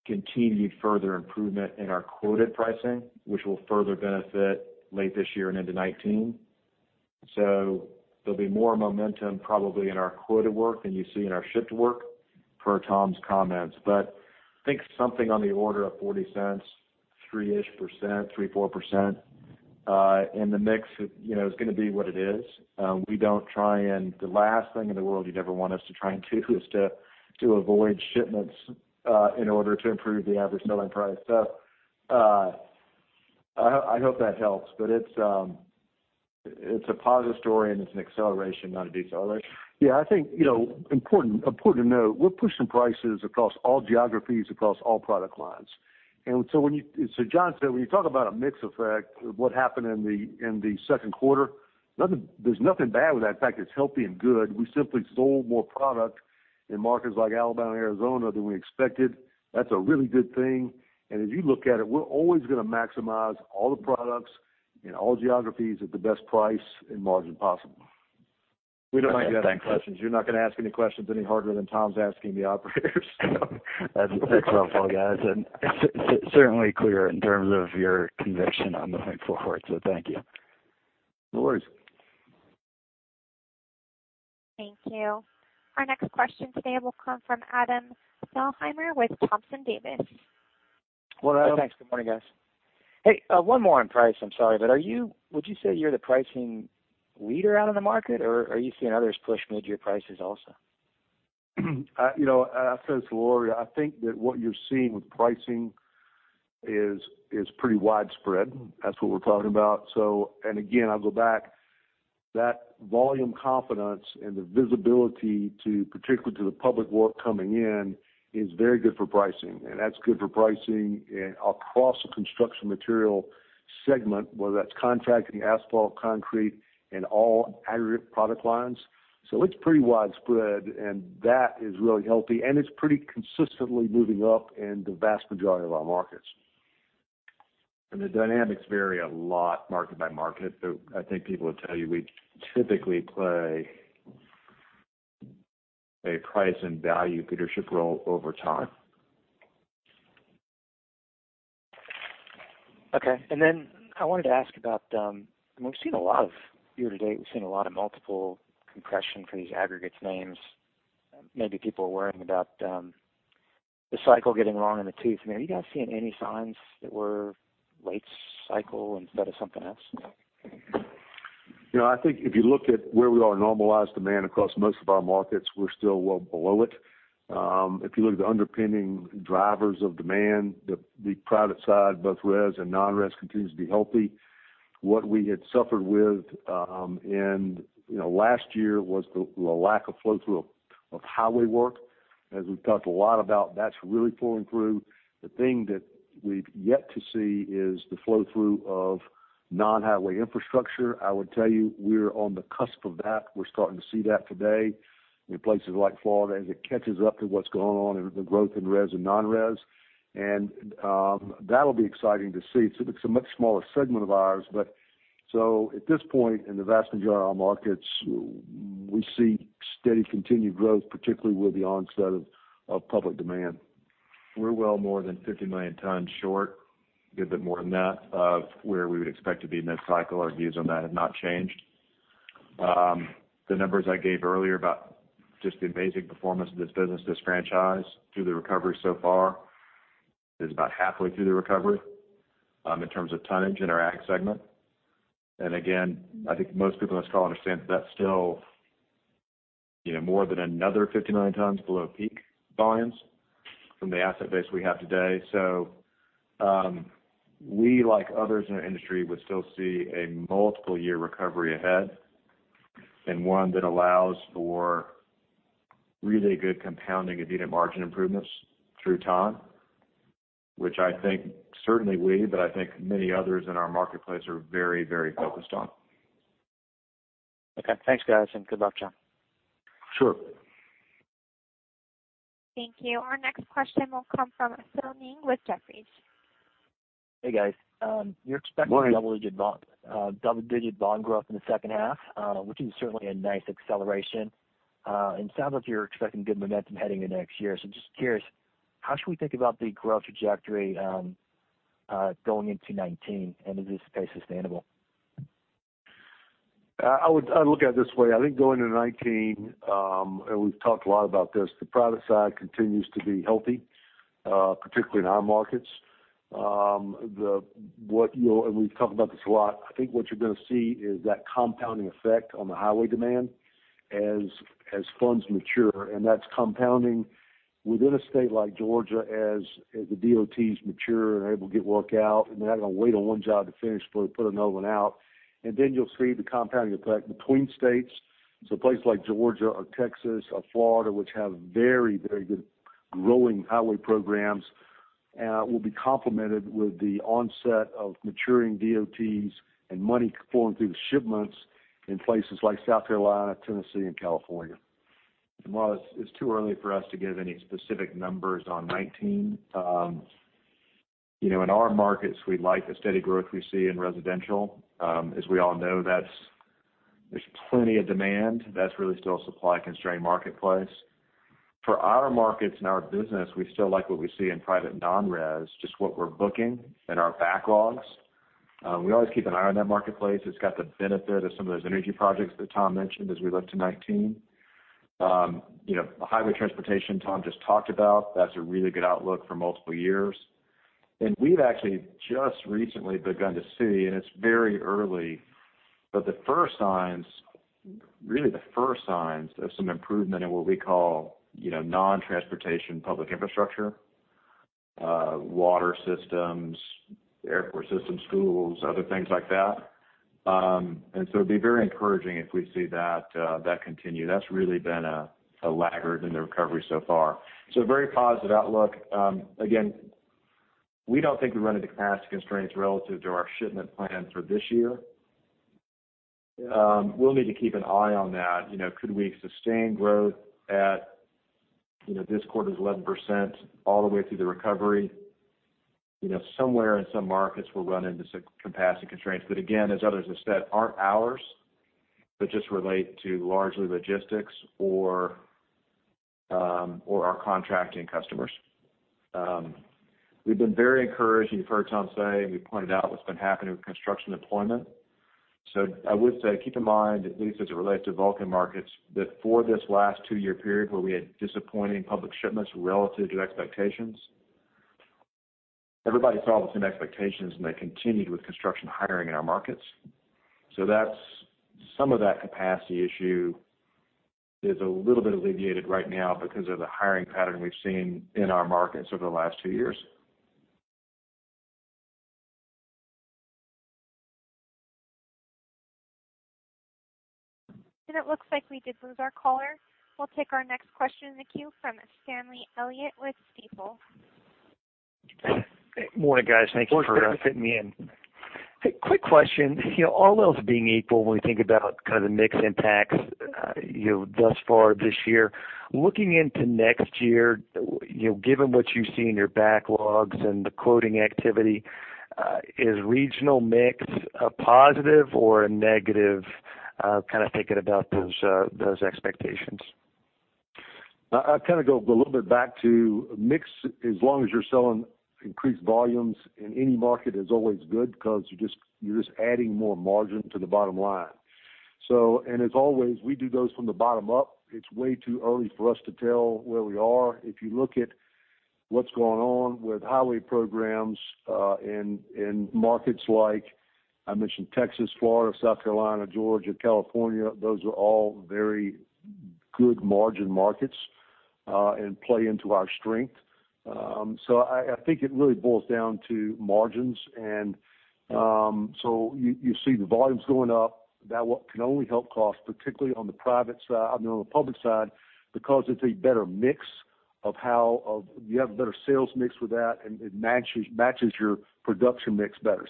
continued further improvement in our quoted pricing, which will further benefit late this year and into 2019. There'll be more momentum probably in our quoted work than you see in our shipped work, per Tom's comments. I think something on the order of $0.40, 3-ish%, 3%-4%. The mix is going to be what it is. We don't try. The last thing in the world you'd ever want us to try and do is to avoid shipments in order to improve the average selling price. I hope that helps, but it's a positive story and it's an acceleration, not a deceleration. I think, important to note, we're pushing prices across all geographies, across all product lines. John said, when you talk about a mix effect, what happened in the second quarter, there's nothing bad with that. In fact, it's healthy and good. We simply sold more product in markets like Alabama and Arizona than we expected. That's a really good thing. As you look at it, we're always going to maximize all the products in all geographies at the best price and margin possible. We don't mind giving questions. You're not going to ask any questions any harder than Tom's asking the operators. That's helpful, guys, and certainly clear in terms of your conviction on moving forward, so thank you. Of course. Thank you. Our next question today will come from Adam Thalhimer with Thompson Davis. Well, Adam. Thanks. Good morning, guys. Hey, one more on price. I'm sorry, would you say you're the pricing leader out in the market, or are you seeing others push mid-year prices also? I said this to Lori, I think that what you're seeing with pricing is pretty widespread. That's what we're talking about. Again, I'll go back. That volume confidence and the visibility, particularly to the public work coming in, is very good for pricing. That's good for pricing across the construction material segment, whether that's contracting, asphalt, concrete, and all aggregate product lines. It's pretty widespread, and that is really healthy, and it's pretty consistently moving up in the vast majority of our markets. The dynamics vary a lot market by market. I think people would tell you we typically play a price and value leadership role over time. Okay. I wanted to ask about, year to date, we've seen a lot of multiple compression for these aggregates names. Maybe people are worrying about the cycle getting long in the tooth. Are you guys seeing any signs that we're late cycle instead of something else? I think if you look at where we are, normalized demand across most of our markets, we're still well below it. If you look at the underpinning drivers of demand, the private side, both res and non-res, continues to be healthy. What we had suffered with in last year was the lack of flow through of highway work. As we've talked a lot about, that's really flowing through. The thing that we've yet to see is the flow through of non-highway infrastructure. I would tell you we're on the cusp of that. We're starting to see that today in places like Florida, as it catches up to what's going on in the growth in res and non-res. That'll be exciting to see. It's a much smaller segment of ours, but so at this point, in the vast majority of our markets, we see steady continued growth, particularly with the onset of public demand. We're well more than 50 million tons short, a bit more than that, of where we would expect to be mid-cycle. Our views on that have not changed. The numbers I gave earlier about just the amazing performance of this business, this franchise, through the recovery so far, is about halfway through the recovery, in terms of tonnage in our ag segment. Again, I think most people on this call understand that that's still more than another 50 million tons below peak volumes from the asset base we have today. We, like others in our industry, would still see a multiple year recovery ahead, and one that allows for really good compounding EBITDA margin improvements through time, which I think certainly we, but I think many others in our marketplace are very focused on. Okay. Thanks, guys, and good luck, John. Sure. Thank you. Our next question will come from Philip Ng with Jefferies. Hey, guys. Morning. You're expecting double-digit volume growth in the second half, which is certainly a nice acceleration. Sounds like you're expecting good momentum heading into next year. Just curious, how should we think about the growth trajectory going into 2019, and is this pace sustainable? I look at it this way. I think going into 2019, and we've talked a lot about this, the private side continues to be healthy, particularly in our markets. We've talked about this a lot. I think what you're going to see is that compounding effect on the highway demand as funds mature, and that's compounding within a state like Georgia as the DOTs mature and able to get work out, and they're not going to wait on one job to finish before they put another one out. You'll see the compounding effect between states. Places like Georgia or Texas or Florida, which have very good growing highway programs, will be complemented with the onset of maturing DOTs and money flowing through the shipments in places like South Carolina, Tennessee, and California. Well, it's too early for us to give any specific numbers on 2019. In our markets, we like the steady growth we see in residential. As we all know, there's plenty of demand. That's really still a supply-constrained marketplace. For our markets and our business, we still like what we see in private non-res, just what we're booking and our backlogs. We always keep an eye on that marketplace. It's got the benefit of some of those energy projects that Tom mentioned as we look to 2019. The highway transportation Tom just talked about, that's a really good outlook for multiple years. We've actually just recently begun to see, and it's very early, but the first signs of some improvement in what we call non-transportation public infrastructure, water systems, airport systems, schools, other things like that. It'd be very encouraging if we see that continue. That's really been a laggard in the recovery so far. A very positive outlook. Again, we don't think we run into capacity constraints relative to our shipment plans for this year. We'll need to keep an eye on that. Could we sustain growth at this quarter's 11% all the way through the recovery? Somewhere in some markets, we'll run into some capacity constraints, but again, as others have said, aren't ours, but just relate to largely logistics or our contracting customers. We've been very encouraged, you've heard Tom say, and we pointed out what's been happening with construction employment. I would say, keep in mind, at least as it relates to Vulcan markets, that for this last two-year period where we had disappointing public shipments relative to expectations, everybody saw the same expectations, and they continued with construction hiring in our markets. Some of that capacity issue is a little bit alleviated right now because of the hiring pattern we've seen in our markets over the last two years. It looks like we did lose our caller. We'll take our next question in the queue from Stanley Elliott with Stifel. Morning, guys. Thank you for fitting me in. Quick question. All else being equal, when we think about kind of the mix impacts thus far this year. Looking into next year, given what you see in your backlogs and the quoting activity, is regional mix a positive or a negative kind of thinking about those expectations? I kind of go a little bit back to mix. As long as you're selling increased volumes in any market is always good because you're just adding more margin to the bottom line. As always, we do those from the bottom up. It's way too early for us to tell where we are. If you look at what's going on with highway programs in markets like I mentioned, Texas, Florida, South Carolina, Georgia, California, those are all very good margin markets and play into our strength. I think it really boils down to margins. You see the volumes going up. That can only help cost, particularly on the public side, because it's a better mix of how You have a better sales mix with that, and it matches your production mix better.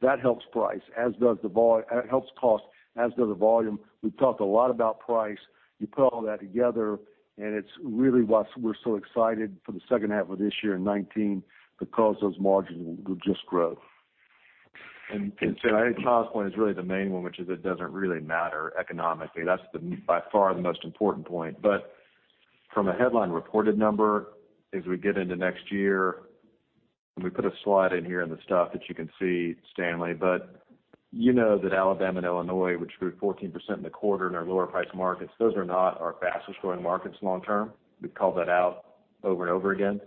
That helps cost, as does the volume. We've talked a lot about price. You put all that together, and it's really why we're so excited for the second half of this year in 2019, because those margins will just grow. I think Tom's point is really the main one, which is it doesn't really matter economically. That's by far the most important point. From a headline reported number, as we get into next year, and we put a slide in here in the stuff that you can see, Stanley. You know that Alabama and Illinois, which grew 14% in the quarter in our lower priced markets, those are not our fastest growing markets long term. We've called that out over and over again.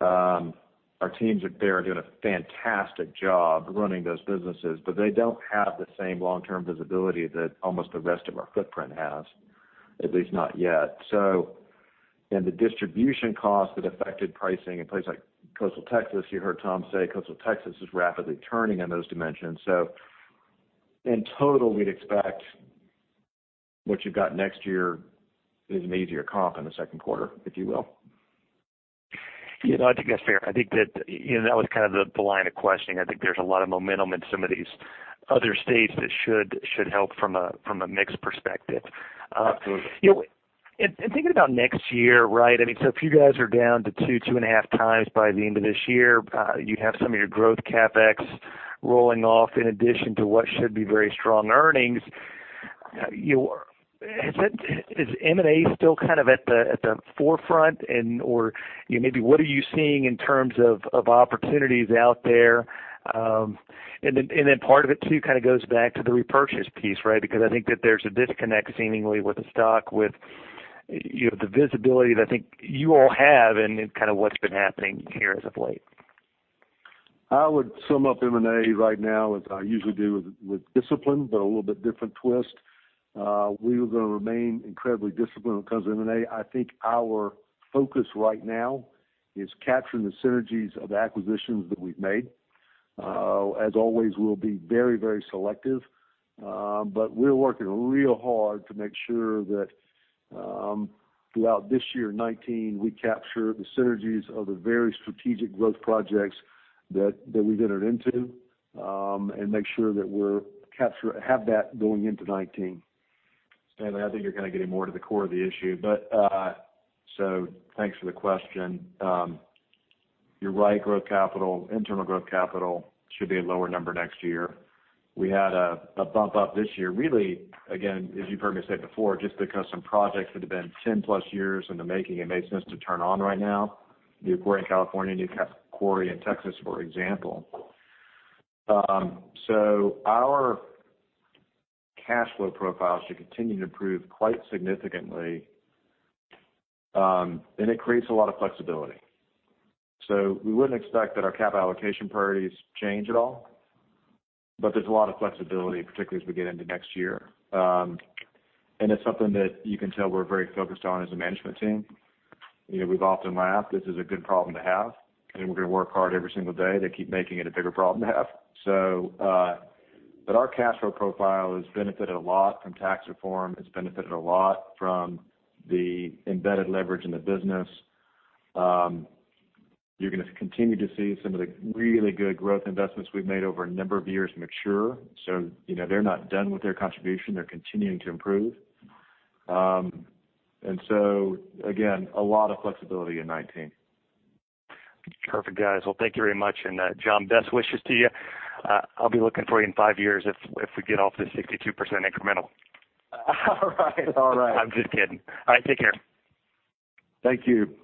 Our teams there are doing a fantastic job running those businesses, but they don't have the same long-term visibility that almost the rest of our footprint has, at least not yet. The distribution costs that affected pricing in places like coastal Texas, you heard Tom say, coastal Texas is rapidly turning on those dimensions. In total, we would expect what you have got next year is an easier comp in the second quarter, if you will. I think that is fair. I think that was kind of the line of questioning. I think there is a lot of momentum in some of these other states that should help from a mix perspective. Absolutely. Thinking about next year, right? If you guys are down to two and a half times by the end of this year, you have some of your growth CapEx rolling off in addition to what should be very strong earnings. Is M&A still kind of at the forefront? Maybe what are you seeing in terms of opportunities out there? Then part of it, too, kind of goes back to the repurchase piece, right? Because I think that there is a disconnect seemingly with the stock, with the visibility that I think you all have and kind of what has been happening here as of late. I would sum up M&A right now as I usually do with discipline, a little bit different twist. We are going to remain incredibly disciplined when it comes to M&A. I think our focus right now is capturing the synergies of acquisitions that we have made. As always, we will be very selective. We are working real hard to make sure that throughout this year, 2019, we capture the synergies of the very strategic growth projects that we have entered into, and make sure that we have that going into 2019. Stanley, I think you're kind of getting more to the core of the issue. Thanks for the question. You're right. Internal growth capital should be a lower number next year. We had a bump up this year. Really, again, as you've heard me say before, just because some projects that have been 10+ years in the making, it made sense to turn on right now. The quarry in California, new quarry in Texas, for example. Our cash flow profile should continue to improve quite significantly. It creates a lot of flexibility. We wouldn't expect that our capital allocation priorities change at all. There's a lot of flexibility, particularly as we get into next year. It's something that you can tell we're very focused on as a management team. We've often laughed, this is a good problem to have, and we're going to work hard every single day to keep making it a bigger problem to have. Our cash flow profile has benefited a lot from tax reform. It's benefited a lot from the embedded leverage in the business. You're going to continue to see some of the really good growth investments we've made over a number of years mature. They're not done with their contribution. They're continuing to improve. Again, a lot of flexibility in 2019. Perfect, guys. Well, thank you very much. John, best wishes to you. I'll be looking for you in 5 years if we get off this 62% incremental. All right. I'm just kidding. All right, take care. Thank you. Thank you.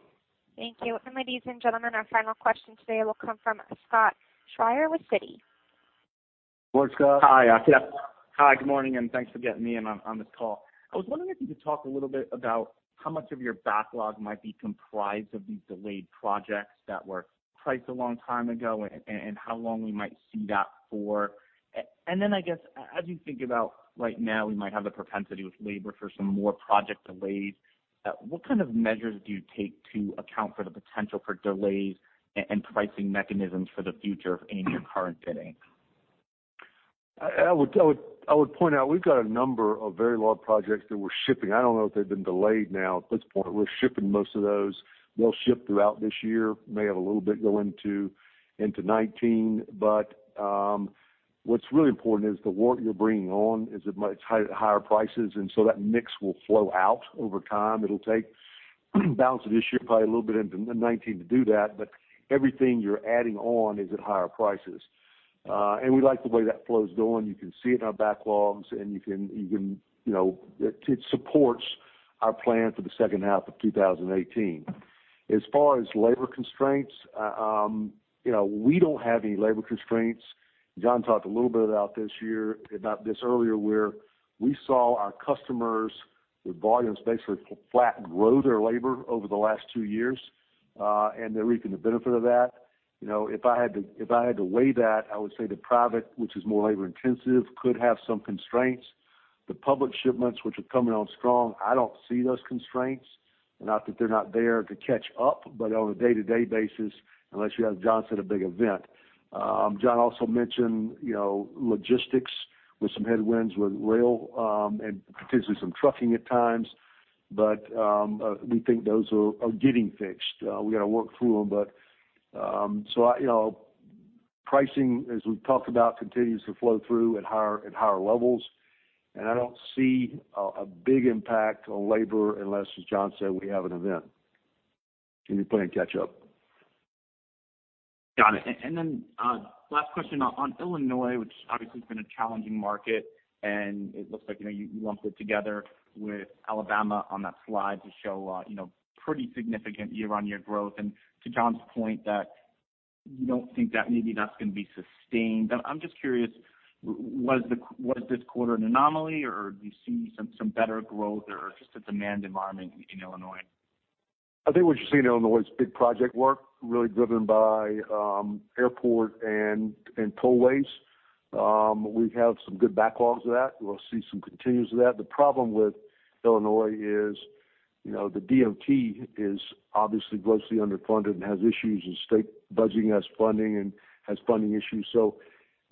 Ladies and gentlemen, our final question today will come from Scott Schrier with Citi. Hello, Scott. Hi. Good morning, and thanks for getting me in on this call. I was wondering if you could talk a little bit about how much of your backlog might be comprised of these delayed projects that were priced a long time ago and, how long we might see that for. I guess, as you think about right now, we might have the propensity with labor for some more project delays. What kind of measures do you take to account for the potential for delays and pricing mechanisms for the future of any current bidding? I would point out, we've got a number of very large projects that we're shipping. I don't know if they've been delayed now at this point. We're shipping most of those. They'll ship throughout this year, may have a little bit go into 2019. What's really important is the work you're bringing on is at much higher prices, and so that mix will flow out over time. It'll take balance of this year, probably a little bit into 2019 to do that. Everything you're adding on is at higher prices. We like the way that flow is going. You can see it in our backlogs, and it supports our plan for the second half of 2018. As far as labor constraints, we don't have any labor constraints. John talked a little bit about this earlier, where we saw our customers with volumes basically flatten, grow their labor over the last two years. They're reaping the benefit of that. If I had to weigh that, I would say the private, which is more labor intensive, could have some constraints. The public shipments, which are coming on strong, I don't see those constraints. Not that they're not there to catch up, but on a day-to-day basis, unless you have, as John said, a big event. John also mentioned logistics with some headwinds with rail, and potentially some trucking at times. We think those are getting fixed. We've got to work through them. Pricing, as we've talked about, continues to flow through at higher levels. I don't see a big impact on labor unless, as John said, we have an event and you're playing catch up. Got it. Last question on Illinois, which obviously has been a challenging market, and it looks like you lumped it together with Alabama on that slide to show pretty significant year-on-year growth. To John's point that you don't think that maybe that's going to be sustained. I'm just curious, was this quarter an anomaly, or do you see some better growth or just a demand environment in Illinois? I think what you're seeing in Illinois is big project work, really driven by airport and tollways. We have some good backlogs of that. We'll see some continues of that. The problem with Illinois is, the DOT is obviously grossly underfunded and has issues, and state budgeting has funding issues.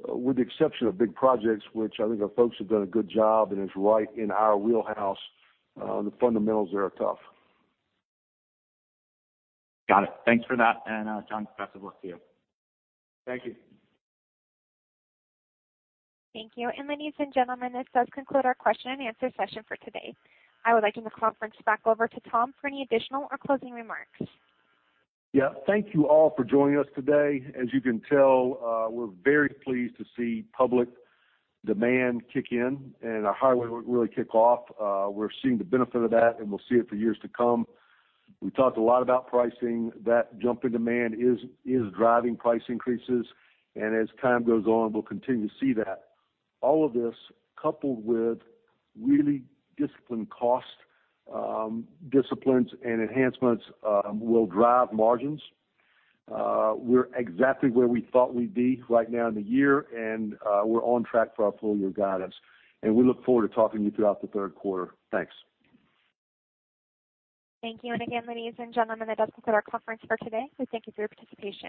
With the exception of big projects, which I think our folks have done a good job and is right in our wheelhouse, the fundamentals there are tough. Got it. Thanks for that. John, best of luck to you. Thank you. Thank you. Ladies and gentlemen, this does conclude our question and answer session for today. I would like to hand the conference back over to Tom for any additional or closing remarks. Yeah. Thank you all for joining us today. As you can tell, we're very pleased to see public demand kick in and our highway really kick off. We're seeing the benefit of that, and we'll see it for years to come. We talked a lot about pricing. That jump in demand is driving price increases. As time goes on, we'll continue to see that. All of this coupled with really disciplined cost disciplines and enhancements, will drive margins. We're exactly where we thought we'd be right now in the year, and we're on track for our full-year guidance. We look forward to talking to you throughout the third quarter. Thanks. Thank you. Again, ladies and gentlemen, that does conclude our conference for today. We thank you for your participation